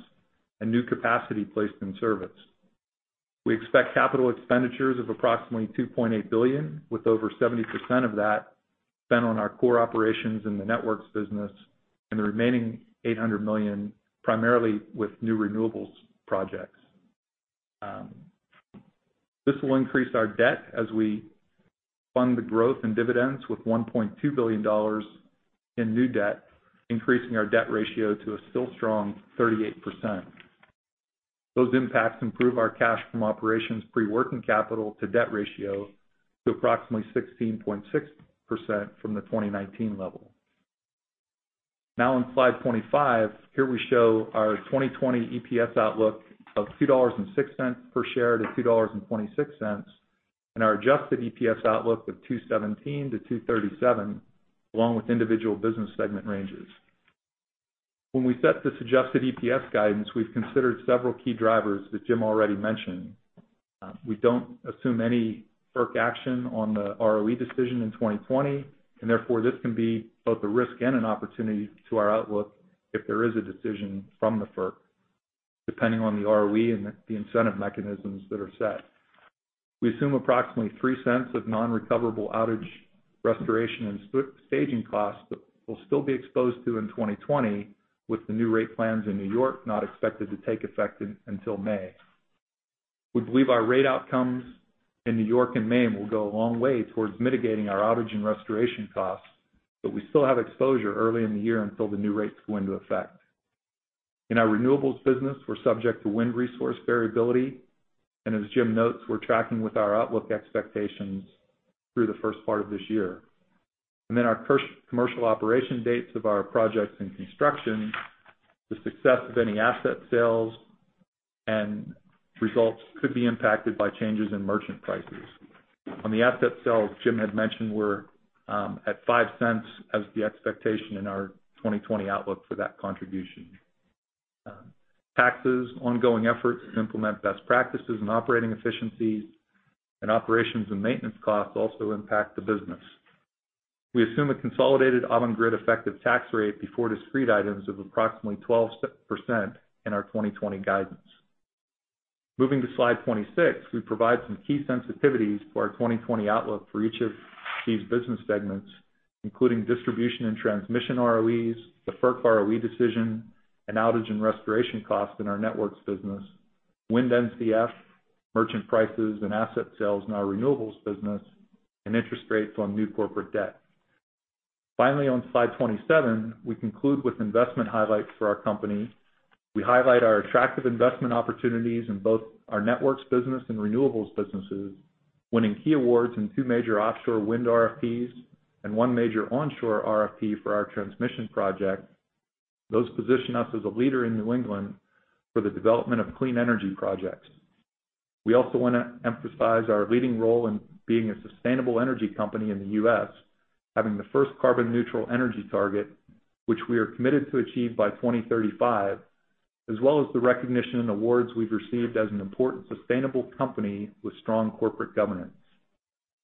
and new capacity placed in service. We expect capital expenditures of approximately $2.8 billion, with over 70% of that spent on our core operations in the Networks business and the remaining $800 million primarily with new renewables projects. This will increase our debt as we fund the growth in dividends with $1.2 billion in new debt, increasing our debt ratio to a still strong 38%. Those impacts improve our cash from operations pre-working capital to debt ratio to approximately 16.6% from the 2019 level. In slide 25, here we show our 2020 EPS outlook of $2.06 per share to $2.26, and our adjusted EPS outlook of $2.17 to $2.37, along with individual business segment ranges. When we set this adjusted EPS guidance, we've considered several key drivers that Jim already mentioned. We don't assume any FERC action on the ROE decision in 2020, and therefore, this can be both a risk and an opportunity to our outlook if there is a decision from the FERC, depending on the ROE and the incentive mechanisms that are set. We assume approximately $0.03 of non-recoverable outage restoration and staging costs that we'll still be exposed to in 2020 with the new rate plans in New York not expected to take effect until May. We believe our rate outcomes in New York and Maine will go a long way towards mitigating our outage and restoration costs, but we still have exposure early in the year until the new rates go into effect. In our renewables business, we're subject to wind resource variability, and as Jim notes, we're tracking with our outlook expectations through the first part of this year. Our commercial operation dates of our projects in construction, the success of any asset sales, and results could be impacted by changes in merchant prices. On the asset sales, Jim had mentioned we're at $0.05 as the expectation in our 2020 outlook for that contribution. Taxes, ongoing efforts to implement best practices and operating efficiencies, and operations and maintenance costs also impact the business. We assume a consolidated Avangrid effective tax rate before discrete items of approximately 12% in our 2020 guidance. Moving to slide 26, we provide some key sensitivities for our 2020 outlook for each of these business segments, including distribution and transmission ROEs, the FERC ROE decision, and outage and restoration costs in our networks business, wind NCF, merchant prices, and asset sales in our renewables business, and interest rates on new corporate debt. Finally, on slide 27, we conclude with investment highlights for our company. We highlight our attractive investment opportunities in both our networks business and renewables businesses, winning key awards in two major offshore wind RFPs and one major onshore RFP for our transmission project. Those position us as a leader in New England for the development of clean energy projects. We also want to emphasize our leading role in being a sustainable energy company in the U.S., having the first carbon neutral energy target, which we are committed to achieve by 2035, as well as the recognition and awards we've received as an important sustainable company with strong corporate governance.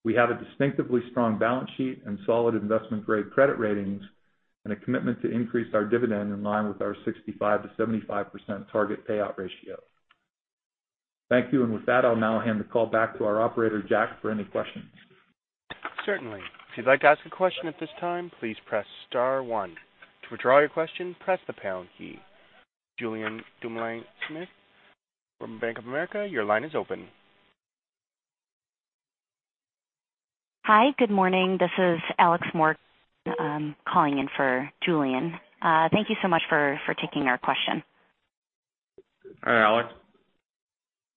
We have a distinctively strong balance sheet and solid investment-grade credit ratings, and a commitment to increase our dividend in line with our 65%-75% target payout ratio. Thank you. With that, I'll now hand the call back to our operator, Jack, for any questions. Certainly. If you'd like to ask a question at this time, please press star one. To withdraw your question, press the pound key. Julien Dumoulin-Smith from Bank of America, your line is open. Hi. Good morning. This is Alex Moore calling in for Julien. Thank you so much for taking our question. Hi, Alex.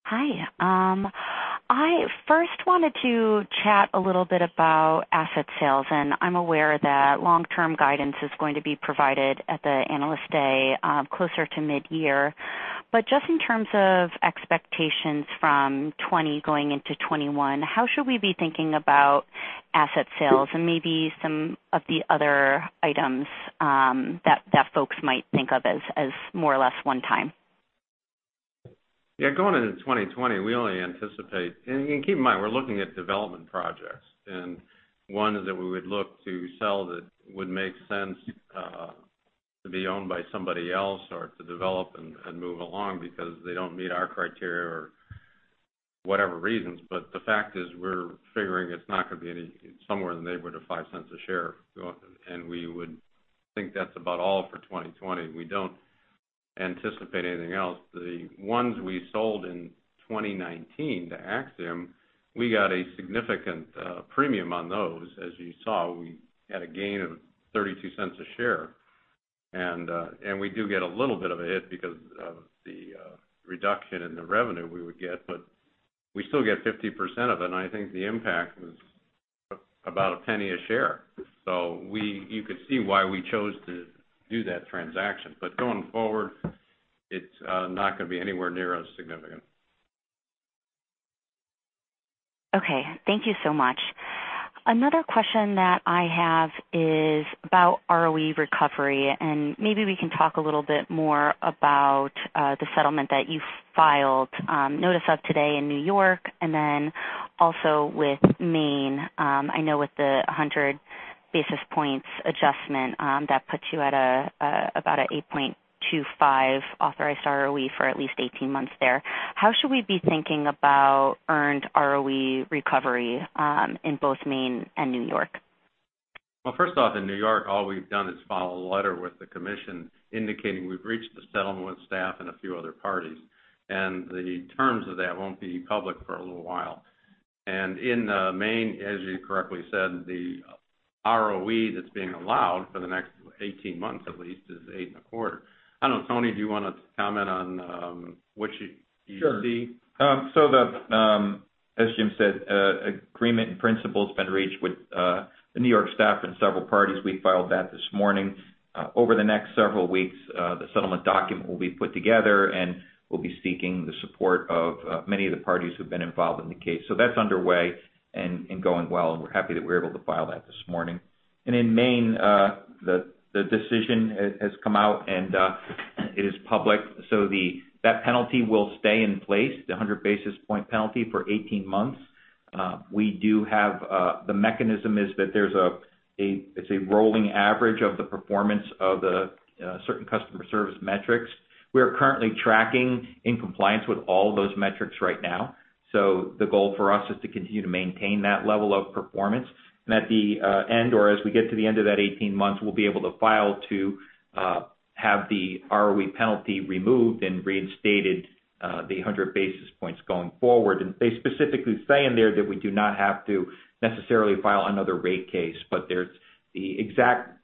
Hi. I first wanted to chat a little bit about asset sales, and I'm aware that long-term guidance is going to be provided at the Analyst Day closer to mid-year. Just in terms of expectations from 2020 going into 2021, how should we be thinking about asset sales and maybe some of the other items that folks might think of as more or less one time? Going into 2020, we only anticipate-- and keep in mind, we're looking at development projects, and ones that we would look to sell that would make sense to be owned by somebody else or to develop and move along because they don't meet our criteria or whatever reasons. The fact is, we're figuring it's not going to be anywhere in the neighborhood of $0.05 a share, and we would think that's about all for 2020. We don't anticipate anything else. The ones we sold in 2019 to Axium, we got a significant premium on those. As you saw, we had a gain of $0.32 a share. We do get a little bit of a hit because of the reduction in the revenue we would get, but we still get 50% of it, and I think the impact was about $0.01 a share. You could see why we chose to do that transaction. Going forward, it's not going to be anywhere near as significant. Okay. Thank you so much. Another question that I have is about ROE recovery. Maybe we can talk a little bit more about the settlement that you filed notice of today in New York, and then also with Maine. I know with the 100 basis points adjustment, that puts you at about a 8.25 authorized ROE for at least 18 months there. How should we be thinking about earned ROE recovery in both Maine and New York? Well, first off, in New York, all we've done is file a letter with the commission indicating we've reached the settlement with staff and a few other parties, and the terms of that won't be public for a little while. In Maine, as you correctly said, the ROE that's being allowed for the next 18 months at least is eight and a quarter. I don't know, Tony, do you want to comment on what you see? So that, as Jim said, agreement in principle's been reached with the New York staff and several parties. We filed that this morning. Over the next several weeks, the settlement document will be put together, and we'll be seeking the support of many of the parties who've been involved in the case. That's underway and going well, and we're happy that we were able to file that this morning. In Maine, the decision has come out and it is public, so that penalty will stay in place, the 100 basis point penalty for 18 months. We do have, the mechanism is that there's a, it's a rolling average of the performance of the certain customer service metrics. We are currently tracking in compliance with all of those metrics right now, so the goal for us is to continue to maintain that level of performance. At the end, or as we get to the end of that 18 months, we'll be able to file to have the ROE penalty removed and reinstated the 100 basis points going forward. They specifically say in there that we do not have to necessarily file another rate case, but the exact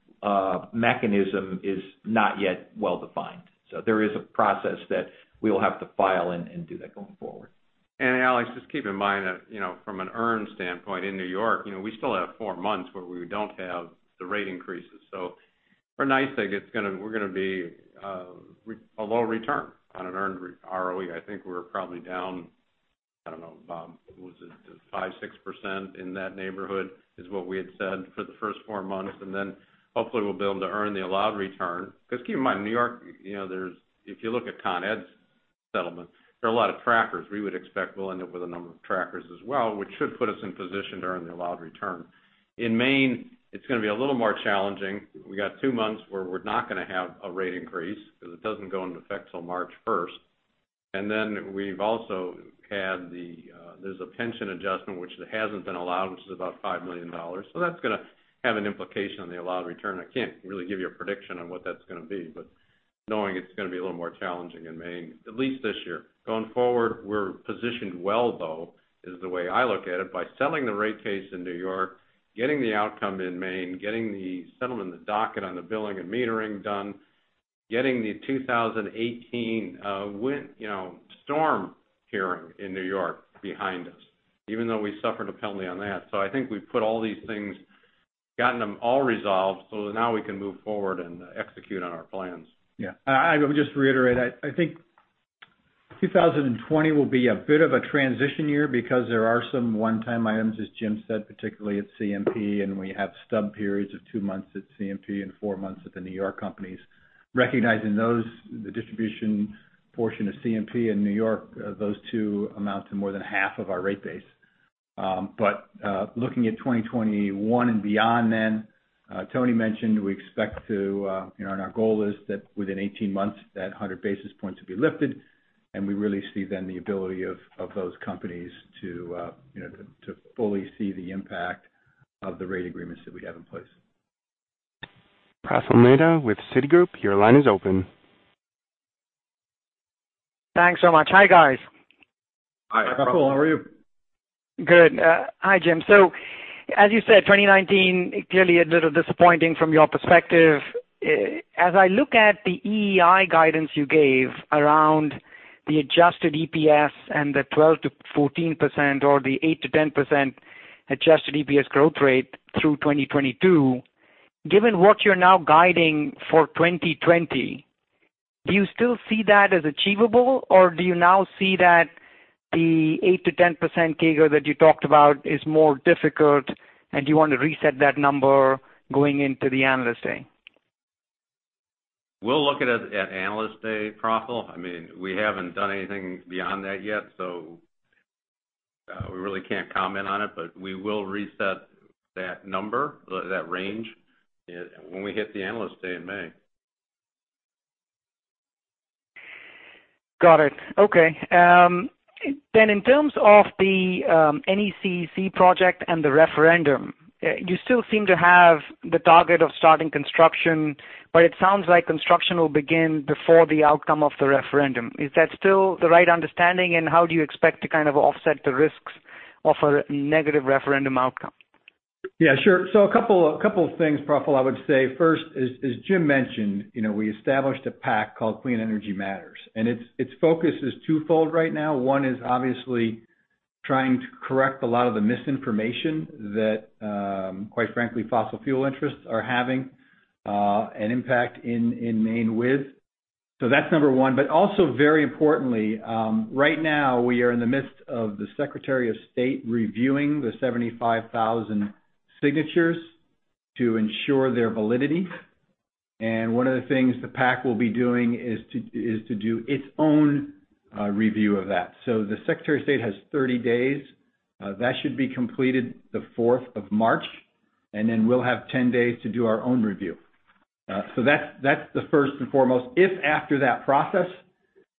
mechanism is not yet well-defined. There is a process that we will have to file and do that going forward. Alex, just keep in mind that, you know, from an earn standpoint in New York, you know, we still have four months where we don't have the rate increases. For NYSEG it's gonna, we're gonna be a low return on an earned ROE. I think we're probably down, I don't know, what was it? 5%, 6% in that neighborhood is what we had said for the first four months, and then hopefully we'll be able to earn the allowed return. Keep in mind, New York, you know, there's, if you look at Consolidated Edison's settlement, there are a lot of trackers. We would expect we'll end up with a number of trackers as well, which should put us in position to earn the allowed return. In Maine, it's gonna be a little more challenging. We got two months where we're not gonna have a rate increase, because it doesn't go into effect till March 1st. We've also had the, there's a pension adjustment which hasn't been allowed, which is about $5 million. That's gonna have an implication on the allowed return. I can't really give you a prediction on what that's gonna be, but knowing it's gonna be a little more challenging in Maine, at least this year. Going forward, we're positioned well though, is the way I look at it, by settling the rate case in New York, getting the outcome in Maine, getting the settlement in the docket on the billing and metering done, getting the 2018 win, you know, storm hearing in New York behind us, even though we suffered a penalty on that. I think we've put all these things, gotten them all resolved, so that now we can move forward and execute on our plans. I would just reiterate, I think 2020 will be a bit of a transition year because there are some one-time items, as Jim said, particularly at CMP, and we have stub periods of two months at CMP and four months at the New York companies. Recognizing those, the distribution portion of CMP and New York, those two amount to more than half of our rate base. Looking at 2021 and beyond then, Tony mentioned we expect to, you know, and our goal is that within 18 months, that 100 basis points to be lifted. We really see then the ability of those companies to, you know, to fully see the impact of the rate agreements that we have in place. Praful Mehta with Citigroup, your line is open. Thanks so much. Hi, guys. Hi, Praful. How are you? Hi, Praful. Good. Hi, Jim. As you said, 2019 clearly a little disappointing from your perspective. As I look at the EEI guidance you gave around the adjusted EPS and the 12%-14% or the 8%-10% adjusted EPS growth rate through 2022, given what you're now guiding for 2020, do you still see that as achievable? Do you now see that the 8%-10% CAGR that you talked about is more difficult, and do you want to reset that number going into the Analyst Day? We'll look at it at Analyst Day, Praful. I mean, we haven't done anything beyond that yet, so we really can't comment on it. We will reset that number, or that range, when we hit the Analyst Day in May. Got it. Okay. In terms of the NECC project and the referendum, you still seem to have the target of starting construction, but it sounds like construction will begin before the outcome of the referendum. Is that still the right understanding? How do you expect to kind of offset the risks of a negative referendum outcome? Yeah, sure. A couple of things, Praful, I would say. First is, as Jim mentioned, you know, we established a PAC called Clean Energy Matters, and its focus is twofold right now. One is obviously trying to correct a lot of the misinformation that, quite frankly, fossil fuel interests are having an impact in Maine with. That's number one. Also very importantly, right now we are in the midst of the Secretary of State reviewing the 75,000 signatures to ensure their validity. One of the things the PAC will be doing is to do its own review of that. The Secretary of State has 30 days. That should be completed the 4th of March, and then we'll have 10 days to do our own review. That's the first and foremost. If after that process,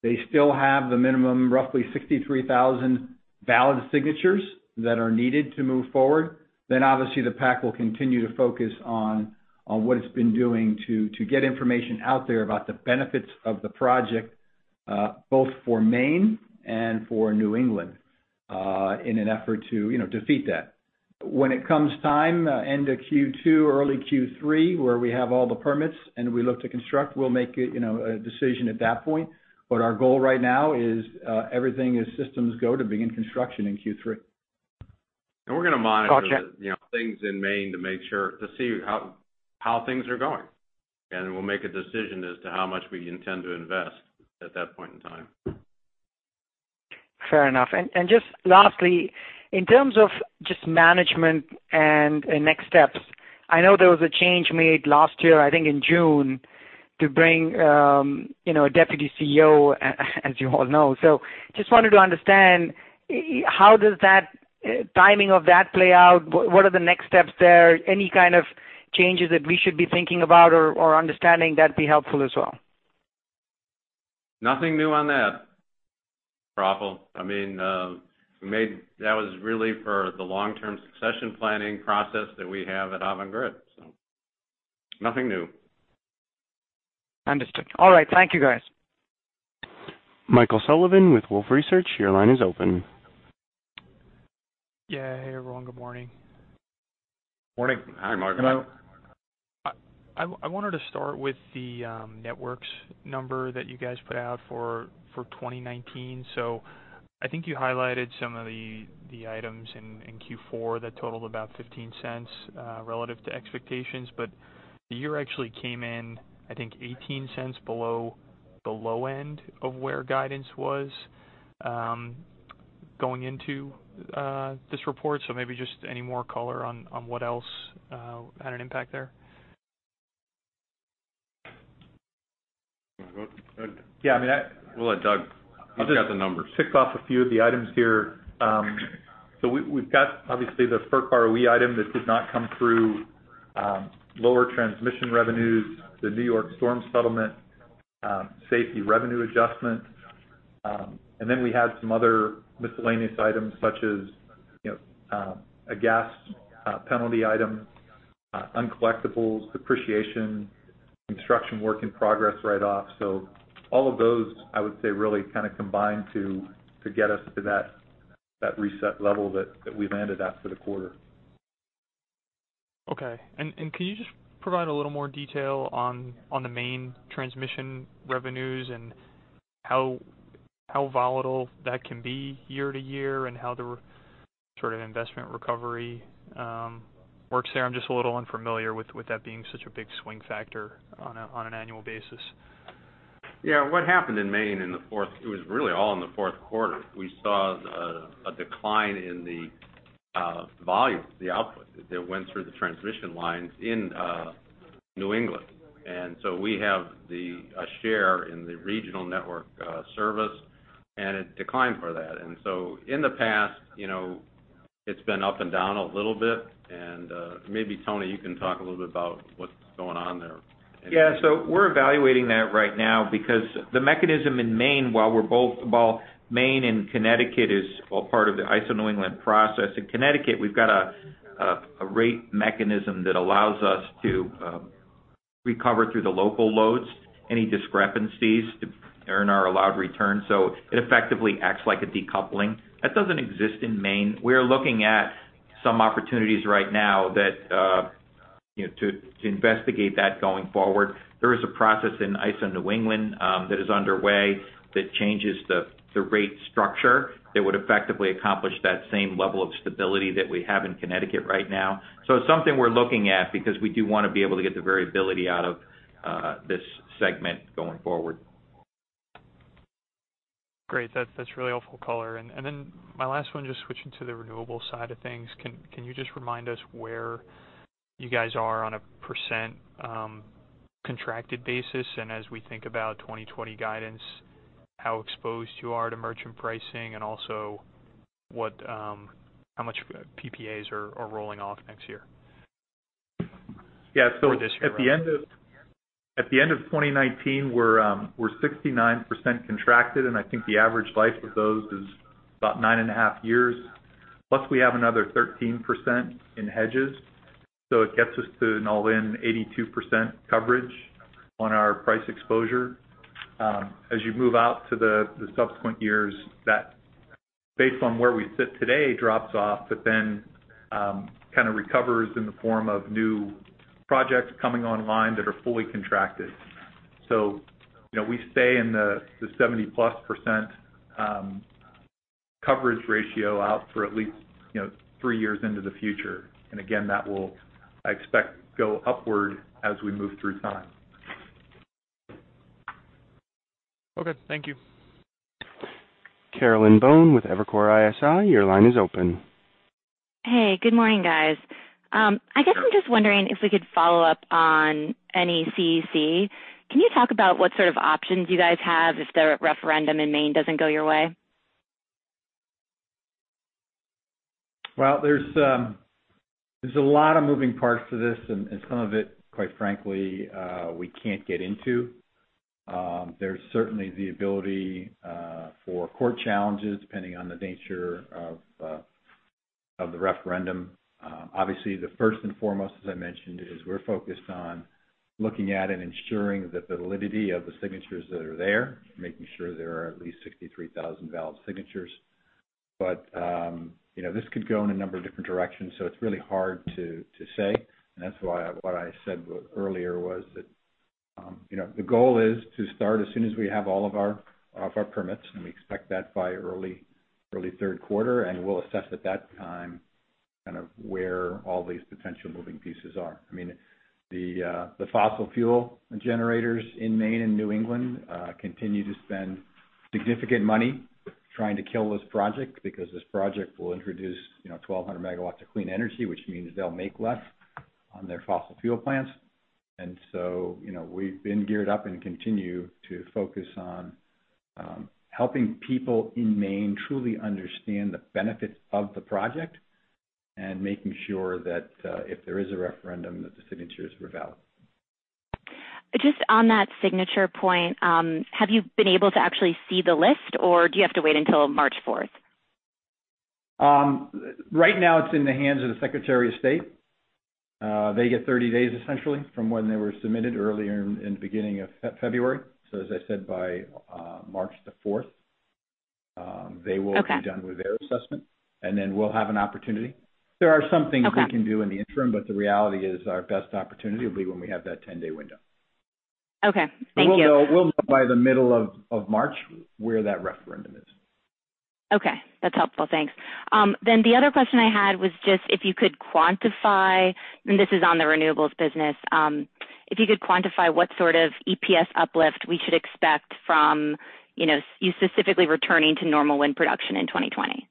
they still have the minimum, roughly 63,000 valid signatures that are needed to move forward. Obviously, the PAC will continue to focus on what it's been doing to get information out there about the benefits of the project, both for Maine and for New England, in an effort to defeat that. When it comes time, end of Q2, early Q3, where we have all the permits and we look to construct, we'll make a decision at that point. Our goal right now is everything is systems go to begin construction in Q3. We're going to monitor. Gotcha. Things in Maine to make sure to see how things are going. We'll make a decision as to how much we intend to invest at that point in time. Fair enough. Just lastly, in terms of just management and next steps, I know there was a change made last year, I think in June, to bring a deputy CEO as you all know. Just wanted to understand, how does that timing of that play out? What are the next steps there? Any kind of changes that we should be thinking about or understanding, that'd be helpful as well. Nothing new on that, Praful. That was really for the long-term succession planning process that we have at Avangrid. Nothing new. Understood. All right. Thank you, guys. Michael Sullivan with Wolfe Research, your line is open. Yeah. Hey, everyone. Good morning. Good morning. Hi, Michael. Hello. I wanted to start with the networks number that you guys put out for 2019. I think you highlighted some of the items in Q4 that totaled about $0.15, relative to expectations. The year actually came in, I think, $0.18 below the low end of where guidance was, going into this report. Maybe just any more color on what else had an impact there. You want to go? Yeah, I mean. We'll let Doug. He's got the numbers. just ticked off a few of the items here. We've got, obviously, the FERC ROE item that did not come through, lower transmission revenues, the New York storm settlement, safety revenue adjustment. We had some other miscellaneous items such as a gas penalty item, uncollectibles, depreciation, construction work in progress write-off. All of those, I would say, really combined to get us to that reset level that we landed at for the quarter. Okay. Can you just provide a little more detail on the Maine transmission revenues and how volatile that can be year-to-year, and how the sort of investment recovery works there? I'm just a little unfamiliar with that being such a big swing factor on an annual basis. Yeah. What happened in Maine, it was really all in the fourth quarter. We saw a decline in the volume, the output that went through the transmission lines in New England. We have a share in the regional network service, and it declined for that. In the past, it's been up and down a little bit and, maybe Tony, you can talk a little bit about what's going on there. We're evaluating that right now because the mechanism in Maine, while Maine and Connecticut is all part of the ISO New England process. In Connecticut, we've got a rate mechanism that allows us to recover through the local loads any discrepancies to earn our allowed return. It effectively acts like a decoupling. That doesn't exist in Maine. We are looking at some opportunities right now to investigate that going forward. There is a process in ISO New England that is underway that changes the rate structure that would effectively accomplish that same level of stability that we have in Connecticut right now. It's something we're looking at because we do want to be able to get the variability out of this segment going forward. Great. That's really helpful color. My last one, just switching to the renewable side of things, can you just remind us where you guys are on a percent contracted basis? As we think about 2020 guidance, how exposed you are to merchant pricing, and also how much PPAs are rolling off next year? Yeah. Doug will take this. At the end of 2019, we're 69% contracted. I think the average life of those is about nine and a half years. We have another 13% in hedges. It gets us to an all-in 82% coverage on our price exposure. As you move out to the subsequent years, that based on where we sit today, drops off, kind of recovers in the form of new projects coming online that are fully contracted. We stay in the 70+% coverage ratio out for at least three years into the future. Again, that will, I expect, go upward as we move through time. Okay. Thank you. Caroline Bone with Evercore ISI, your line is open. Hey, good morning, guys. I guess I'm just wondering if we could follow up on NECEC. Can you talk about what sort of options you guys have if the referendum in Maine doesn't go your way? Well, there's a lot of moving parts to this, and some of it, quite frankly, we can't get into. There's certainly the ability for court challenges, depending on the nature of the referendum. The first and foremost, as I mentioned, is we're focused on looking at and ensuring the validity of the signatures that are there, making sure there are at least 63,000 valid signatures. This could go in a number of different directions, it's really hard to say, that's why what I said earlier was that the goal is to start as soon as we have all of our permits, we expect that by early third quarter. We'll assess at that time where all these potential moving pieces are. The fossil fuel generators in Maine and New England continue to spend significant money trying to kill this project because this project will introduce 1,200 MW of clean energy, which means they'll make less on their fossil fuel plants. We've been geared up and continue to focus on helping people in Maine truly understand the benefits of the project and making sure that if there is a referendum, that the signatures were valid. Just on that signature point, have you been able to actually see the list, or do you have to wait until March 4th? Right now, it's in the hands of the Secretary of State. They get 30 days, essentially, from when they were submitted earlier in the beginning of February. As I said, by March the 4th, they will. Okay. Be done with their assessment, and then we'll have an opportunity. Okay. We can do in the interim, but the reality is our best opportunity will be when we have that 10 day window. Okay. Thank you. We'll know by the middle of March where that referendum is. Okay. That's helpful. Thanks. The other question I had was just if you could quantify, and this is on the renewables business, if you could quantify what sort of EPS uplift we should expect from you specifically returning to normal wind production in 2020?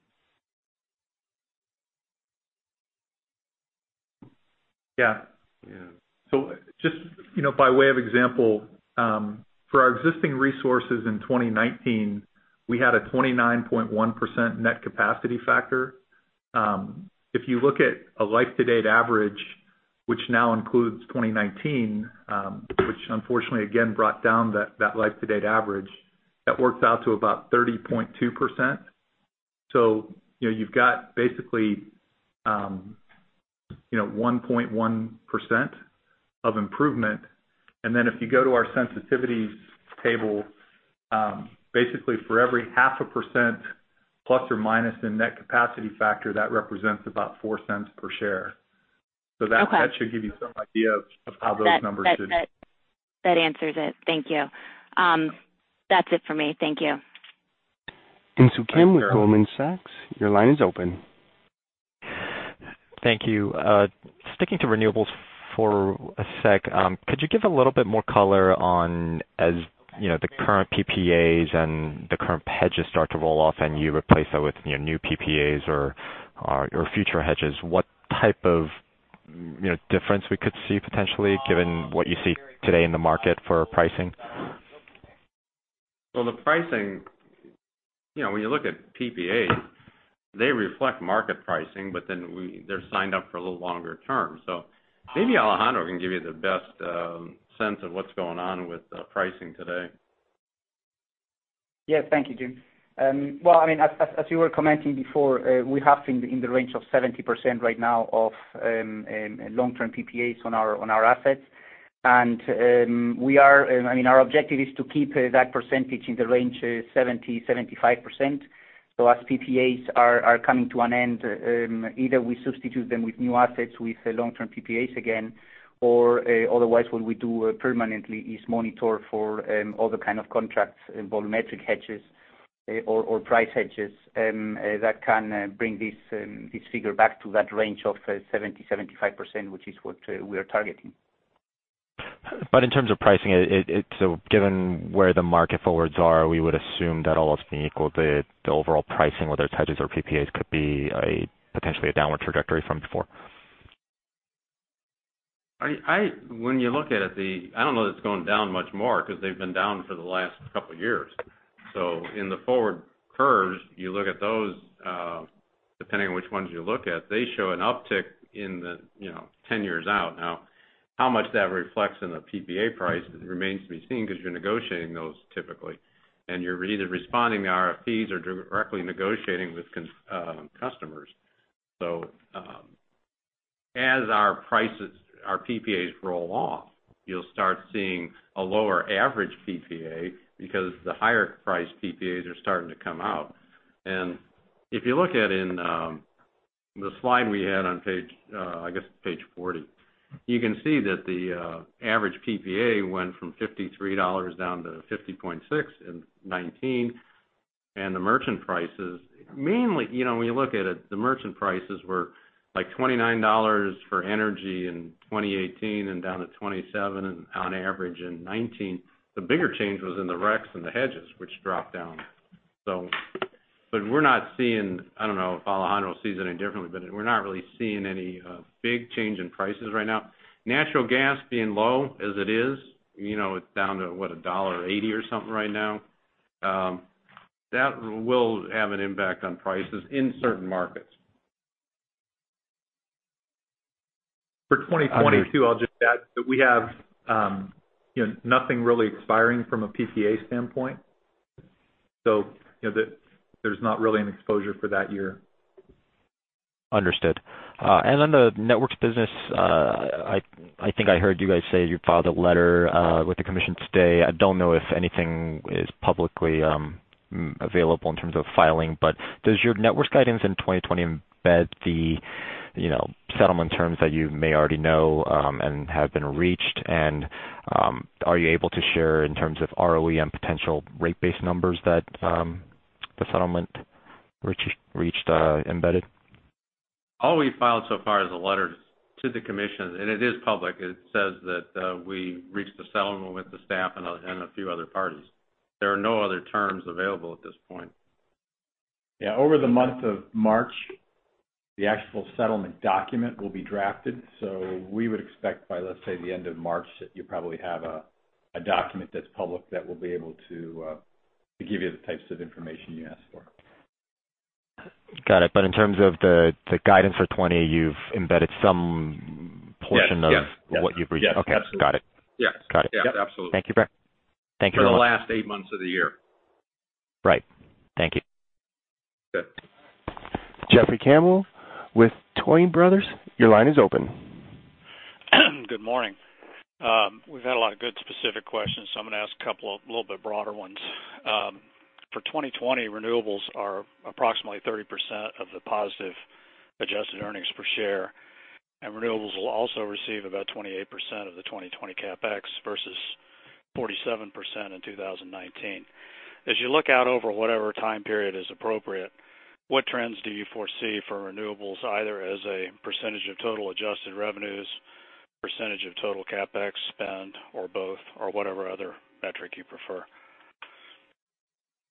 Yeah. Just by way of example, for our existing resources in 2019, we had a 29.1% net capacity factor. If you look at a life-to-date average, which now includes 2019, which unfortunately again brought down that life-to-date average, that works out to about 30.2%. You've got basically 1.1% of improvement. If you go to our sensitivities table, basically for every 0.5%± in net capacity factor, that represents about $0.04 per share. Okay. That should give you some idea of how those numbers. That answers it. Thank you. That's it for me. Thank you. Thanks, Carol. Insoo Kim with Goldman Sachs, your line is open. Thank you. Sticking to renewables for a sec, could you give a little bit more color on as the current PPAs and the current hedges start to roll off and you replace that with new PPAs or future hedges, what type of difference we could see potentially, given what you see today in the market for pricing? The pricing, when you look at PPAs, they reflect market pricing, but then they're signed up for a little longer term. Maybe Alejandro can give you the best sense of what's going on with pricing today. Thank you, Jim. Well, as you were commenting before, we have in the range of 70% right now of long-term PPAs on our assets. Our objective is to keep that percentage in the range 70%-75%. As PPAs are coming to an end, either we substitute them with new assets with long-term PPAs again, or otherwise what we do permanently is monitor for other kind of contracts, volumetric hedges or price hedges, that can bring this figure back to that range of 70%-75%, which is what we are targeting. In terms of pricing, given where the market forwards are, we would assume that all else being equal, the overall pricing, whether it's hedges or PPAs, could be potentially a downward trajectory from before. When you look at it, I don't know that it's going down much more because they've been down for the last couple of years. In the forward curves, you look at those, depending on which ones you look at, they show an uptick in the 10 years out. How much that reflects in the PPA price remains to be seen because you're negotiating those typically, and you're either responding to RFPs or directly negotiating with customers. As our PPAs roll off, you'll start seeing a lower average PPA because the higher priced PPAs are starting to come out. If you look at in the slide we had on, I guess, page 40. You can see that the average PPA went from $53 down to $50.6 in 2019. The merchant prices, when you look at it, the merchant prices were like $29 for energy in 2018 and down to $27 on average in 2019. The bigger change was in the RECs and the hedges, which dropped down. We're not seeing, I don't know if Alejandro sees it any differently, but we're not really seeing any big change in prices right now. Natural gas being low as it is, it's down to, what, $1.80 or something right now. That will have an impact on prices in certain markets. For 2022, I'll just add that we have nothing really expiring from a PPA standpoint. There's not really an exposure for that year. Understood. On the Networks business, I think I heard you guys say you filed a letter with the Commission today. I don't know if anything is publicly available in terms of filing, but does your Networks guidance in 2020 embed the settlement terms that you may already know and have been reached? Are you able to share in terms of ROE and potential rate base numbers that the settlement reached embedded? All we filed so far is a letter to the commission, and it is public. It says that we reached a settlement with the staff and a few other parties. There are no other terms available at this point. Over the month of March, the actual settlement document will be drafted. We would expect by, let's say, the end of March, that you'll probably have a document that's public that will be able to give you the types of information you asked for. Got it. In terms of the guidance for 2020, you've embedded some portion of. Yes. What you've reached. Yes, absolutely. Okay. Got it. Yes. Got it. Yes, absolutely. Thank you for that. Thank you very much. For the last eight months of the year. Right. Thank you. Okay. Jeffrey Campbell Tuohy Brothers, your line is open. Good morning. We've had a lot of good specific questions. I'm going to ask a couple of little bit broader ones. For 2020, renewables are approximately 30% of the positive adjusted earnings per share, and renewables will also receive about 28% of the 2020 CapEx versus 47% in 2019. As you look out over whatever time period is appropriate, what trends do you foresee for renewables, either as a percentage of total adjusted revenues, percentage of total CapEx spend, or both, or whatever other metric you prefer?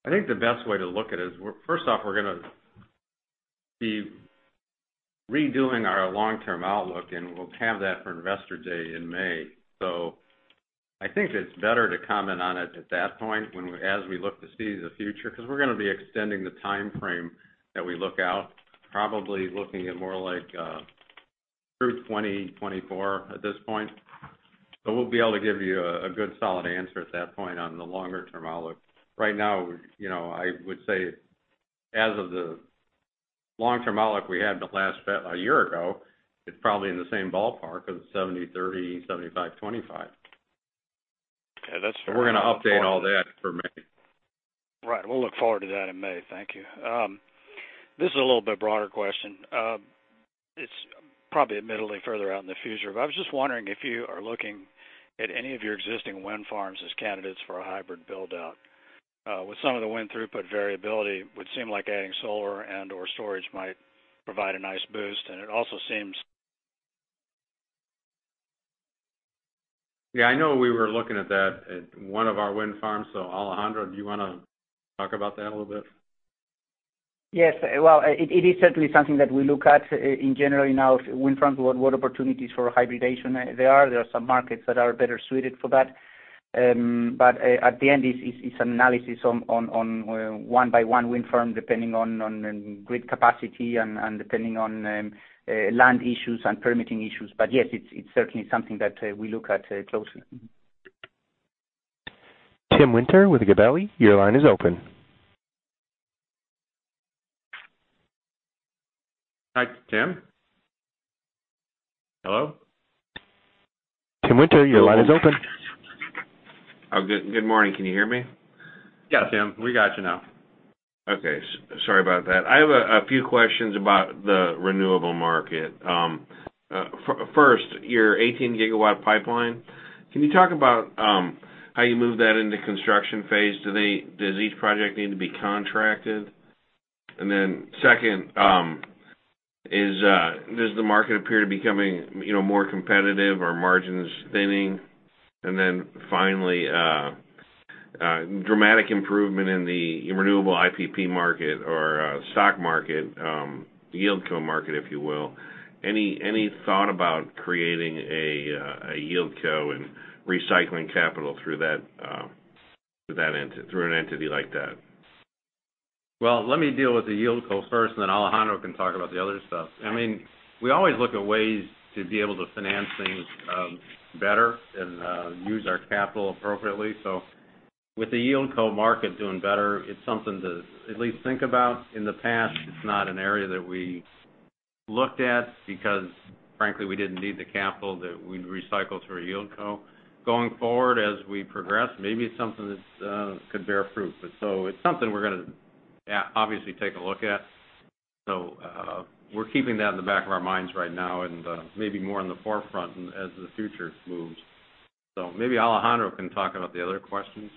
I think the best way to look at it is, first off, we're going to be redoing our long-term outlook, and we'll have that for Investor Day in May. I think it's better to comment on it at that point as we look to see the future, because we're going to be extending the timeframe that we look out, probably looking at more like through 2024 at this point. We'll be able to give you a good solid answer at that point on the longer-term outlook. Right now, I would say, as of the long-term outlook we had a year ago, it's probably in the same ballpark of 70/30, 75/25. Okay. That's fair. We're going to update all that for May. Right. We'll look forward to that in May. Thank you. This is a little bit broader question. It's probably admittedly further out in the future, but I was just wondering if you are looking at any of your existing wind farms as candidates for a hybrid build-out. With some of the wind throughput variability, it would seem like adding solar and/or storage might provide a nice boost, and it also seems Yeah, I know we were looking at that at one of our wind farms. Alejandro, do you want to talk about that a little bit? Yes. Well, it is certainly something that we look at in general now. Wind farms, what opportunities for hybridization there are. There are some markets that are better suited for that. At the end, it's an analysis on one by one wind farm, depending on grid capacity and depending on land issues and permitting issues. Yes, it's certainly something that we look at closely. Tim Winter with Gabelli, your line is open. Hi, Tim. Hello? Tim Winter, your line is open. Good morning. Can you hear me? Yeah, Tim, we got you now. Okay. Sorry about that. I have a few questions about the renewable market. First, your 18 GW pipeline, can you talk about how you move that into construction phase? Does each project need to be contracted? Second, does the market appear to be becoming more competitive? Are margins thinning? Finally, dramatic improvement in the renewable IPP market or stock market, yieldco market, if you will. Any thought about creating a yieldco and recycling capital through an entity like that? Well, let me deal with the yieldco first, then Alejandro can talk about the other stuff. We always look at ways to be able to finance things better and use our capital appropriately. With the yieldco market doing better, it's something to at least think about. In the past, it's not an area that we looked at because frankly, we didn't need the capital that we'd recycle through a yieldco. Going forward, as we progress, maybe it's something that could bear fruit. It's something we're going to obviously take a look at. We're keeping that in the back of our minds right now and maybe more on the forefront as the future moves. Maybe Alejandro can talk about the other questions.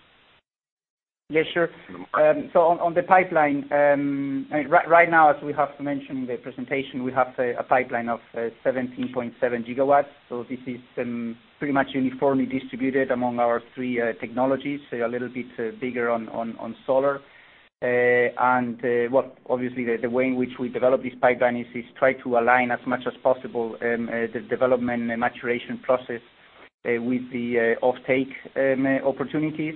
Yeah, sure. On the pipeline, right now, as we have mentioned in the presentation, we have a pipeline of 17.7 GW. This is pretty much uniformly distributed among our three technologies, a little bit bigger on solar. Obviously, the way in which we develop this pipeline is try to align as much as possible the development and maturation process with the offtake opportunities.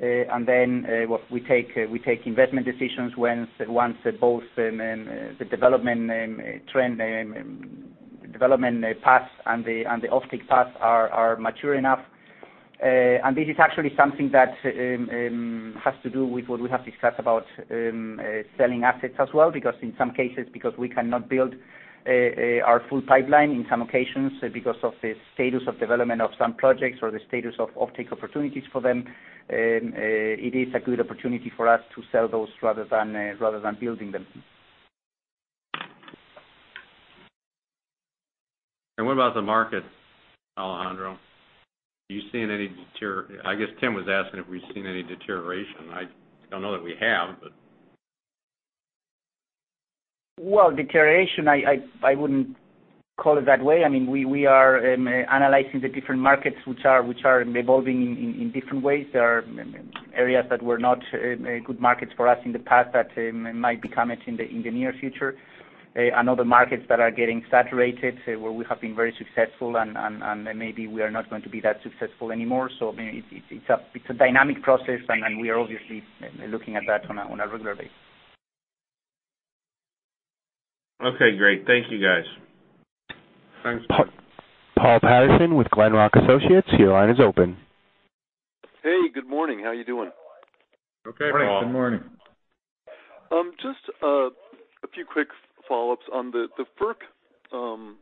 We take investment decisions once both the development trend, development paths, and the offtake paths are mature enough. This is actually something that has to do with what we have discussed about selling assets as well, because in some cases, because we cannot build our full pipeline in some occasions because of the status of development of some projects or the status of offtake opportunities for them, it is a good opportunity for us to sell those rather than building them. What about the market, Alejandro? Are you seeing any? I guess Tim was asking if we've seen any deterioration. I don't know that we have. Well, deterioration, I wouldn't call it that way. We are analyzing the different markets which are evolving in different ways. There are areas that were not good markets for us in the past that might become it in the near future. Other markets that are getting saturated, where we have been very successful and maybe we are not going to be that successful anymore. It's a dynamic process, and we are obviously looking at that on a regular basis. Okay, great. Thank you, guys. Thanks. Paul Patterson with Glenrock Associates, your line is open. Hey, good morning. How are you doing? Okay, Paul. Good morning. Just a few quick follow-ups on the FERC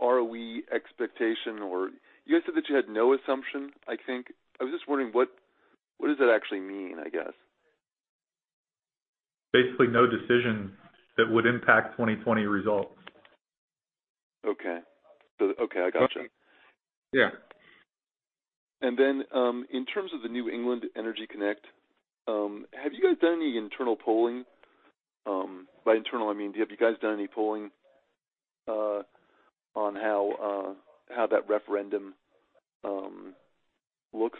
ROE expectation or You guys said that you had no assumption, I think. I was just wondering, what does that actually mean, I guess? Basically, no decision that would impact 2020 results. Okay. I gotcha. Yeah. In terms of the New England Clean Energy Connect, have you guys done any internal polling? By internal, I mean, have you guys done any polling on how that referendum looks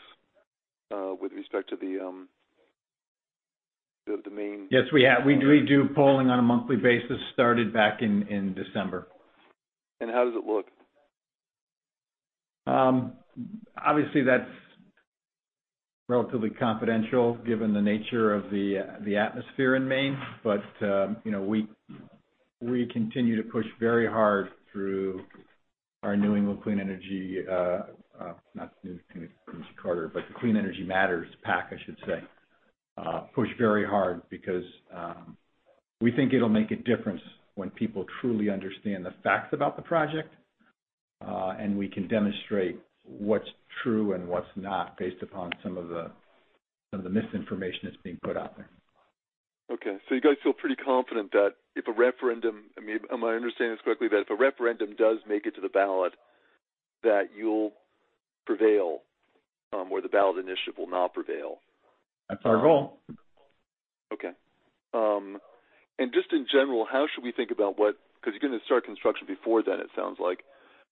with respect to the Maine? Yes, we do polling on a monthly basis, started back in December. How does it look? That's relatively confidential given the nature of the atmosphere in Maine. We continue to push very hard through our Clean Energy Matters PAC, I should say, because we think it'll make a difference when people truly understand the facts about the project, and we can demonstrate what's true and what's not based upon some of the misinformation that's being put out there. Okay. You guys feel pretty confident that if a referendum, am I understanding this correctly, that if a referendum does make it to the ballot, that you'll prevail, or the ballot initiative will not prevail? That's our goal. Okay. Just in general, how should we think about what, because you're going to start construction before then, it sounds like.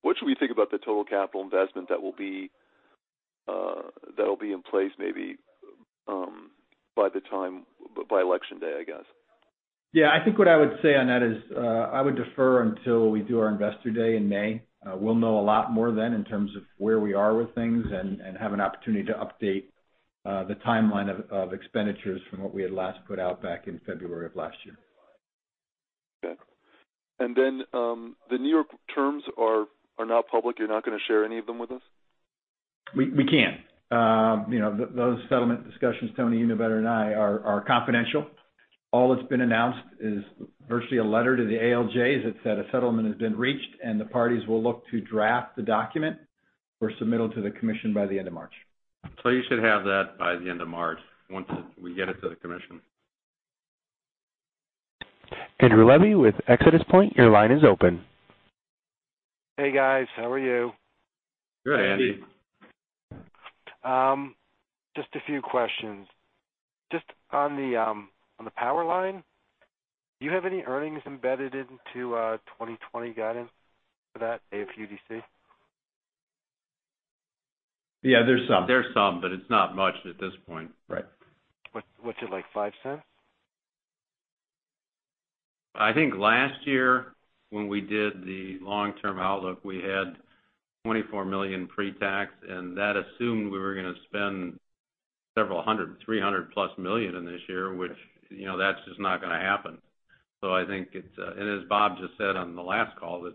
What should we think about the total capital investment that will be in place maybe by election day, I guess? Yeah, I think what I would say on that is, I would defer until we do our Investor Day in May. We'll know a lot more then in terms of where we are with things and have an opportunity to update the timeline of expenditures from what we had last put out back in February of last year. Okay. The New York terms are not public. You're not going to share any of them with us? We can't. Those settlement discussions, Tony, you know better than I, are confidential. All that's been announced is virtually a letter to the ALJ that said a settlement has been reached, and the parties will look to draft the document for submittal to the commission by the end of March. You should have that by the end of March, once we get it to the commission. Andrew Levi with ExodusPoint, your line is open. Hey, guys. How are you? Good, Andy. Good. Just a few questions. Just on the power line, do you have any earnings embedded into 2020 guidance for that, AFUDC? Yeah, there's some. There's some, but it's not much at this point. Right. What's it like, $0.05? I think last year when we did the long-term outlook, we had $24 million pre-tax. That assumed we were going to spend several hundred, $300+ million in this year, which, that's just not going to happen. I think it's, as Bob just said on the last call, that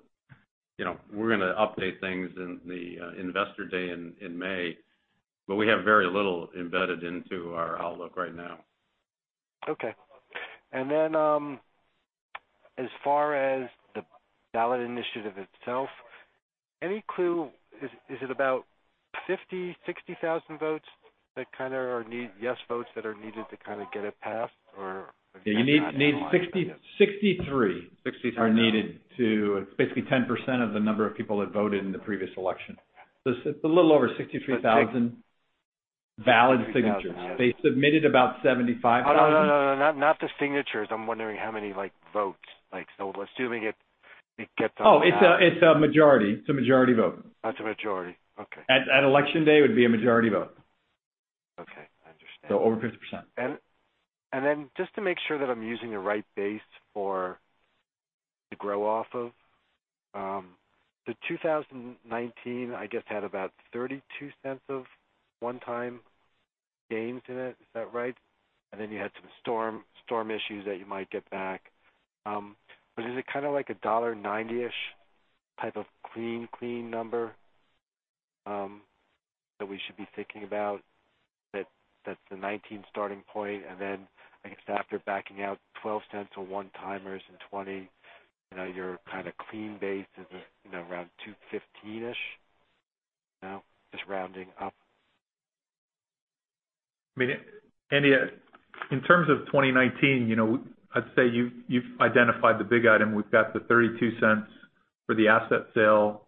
we're going to update things in the Investor Day in May. We have very little embedded into our outlook right now. Okay. As far as the ballot initiative itself, any clue? Is it about 50, 60 thousand votes that kind of are yes votes that are needed to kind of get it passed? Yeah, you need. 63 are needed to, it's basically 10% of the number of people that voted in the previous election. It's a little over 63,000 valid signatures. They submitted about 75,000. No. Not the signatures. I'm wondering how many votes. Oh, it's a majority. It's a majority vote. It's a majority, okay. At Election Day, it would be a majority vote. Over 50%. Just to make sure that I'm using the right base for the grow off of, the 2019, I guess, had about $0.32 of one-time gains in it. Is that right? You had some storm issues that you might get back. Is it like $1.90-ish type of clean number that we should be thinking about? That's the 2019 starting point, I guess after backing out $0.12 for one-timers in 2020, your clean base is around $2.15-ish now, just rounding up. Andy, in terms of 2019, I'd say you've identified the big item. We've got the $0.32 for the asset sale.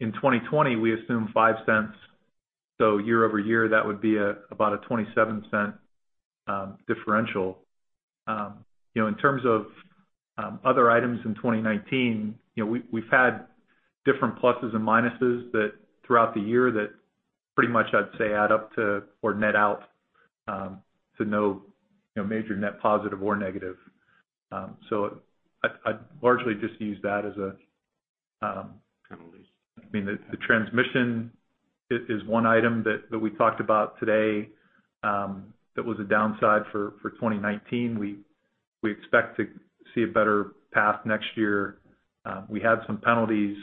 In 2020, we assume $0.05. Year-over-year, that would be about a $0.27 differential. In terms of other items in 2019, we've had different pluses and minuses that throughout the year that pretty much I'd say add up to or net out to no major net positive or negative. Kind of a base. The transmission is one item that we talked about today that was a downside for 2019. We expect to see a better path next year. We had some penalties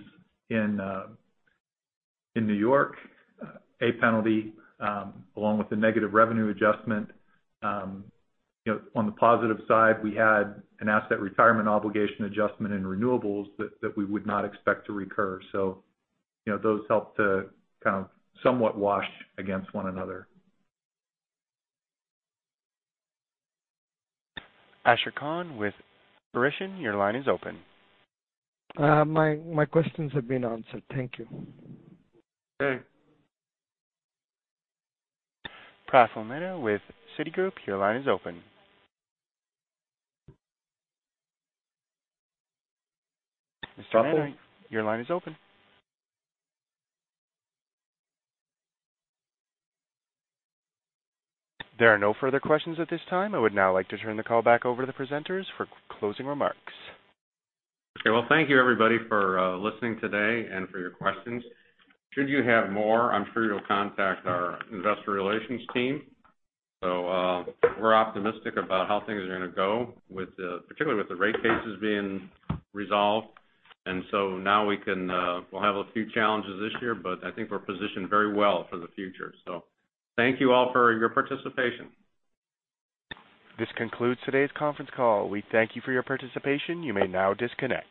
in New York, a penalty along with a negative revenue adjustment. On the positive side, we had an asset retirement obligation adjustment in renewables that we would not expect to recur. Those help to somewhat wash against one another. Ashar Khan with Verition, your line is open. My questions have been answered. Thank you. Praful Mehta with Citigroup, your line is open. Mr. Mehta, your line is open. There are no further questions at this time. I would now like to turn the call back over to the presenters for closing remarks. Well, thank you everybody for listening today and for your questions. Should you have more, I'm sure you'll contact our investor relations team. We're optimistic about how things are going to go, particularly with the rate cases being resolved. Now we'll have a few challenges this year, but I think we're positioned very well for the future. Thank you all for your participation. This concludes today's conference call. We thank you for your participation. You may now disconnect.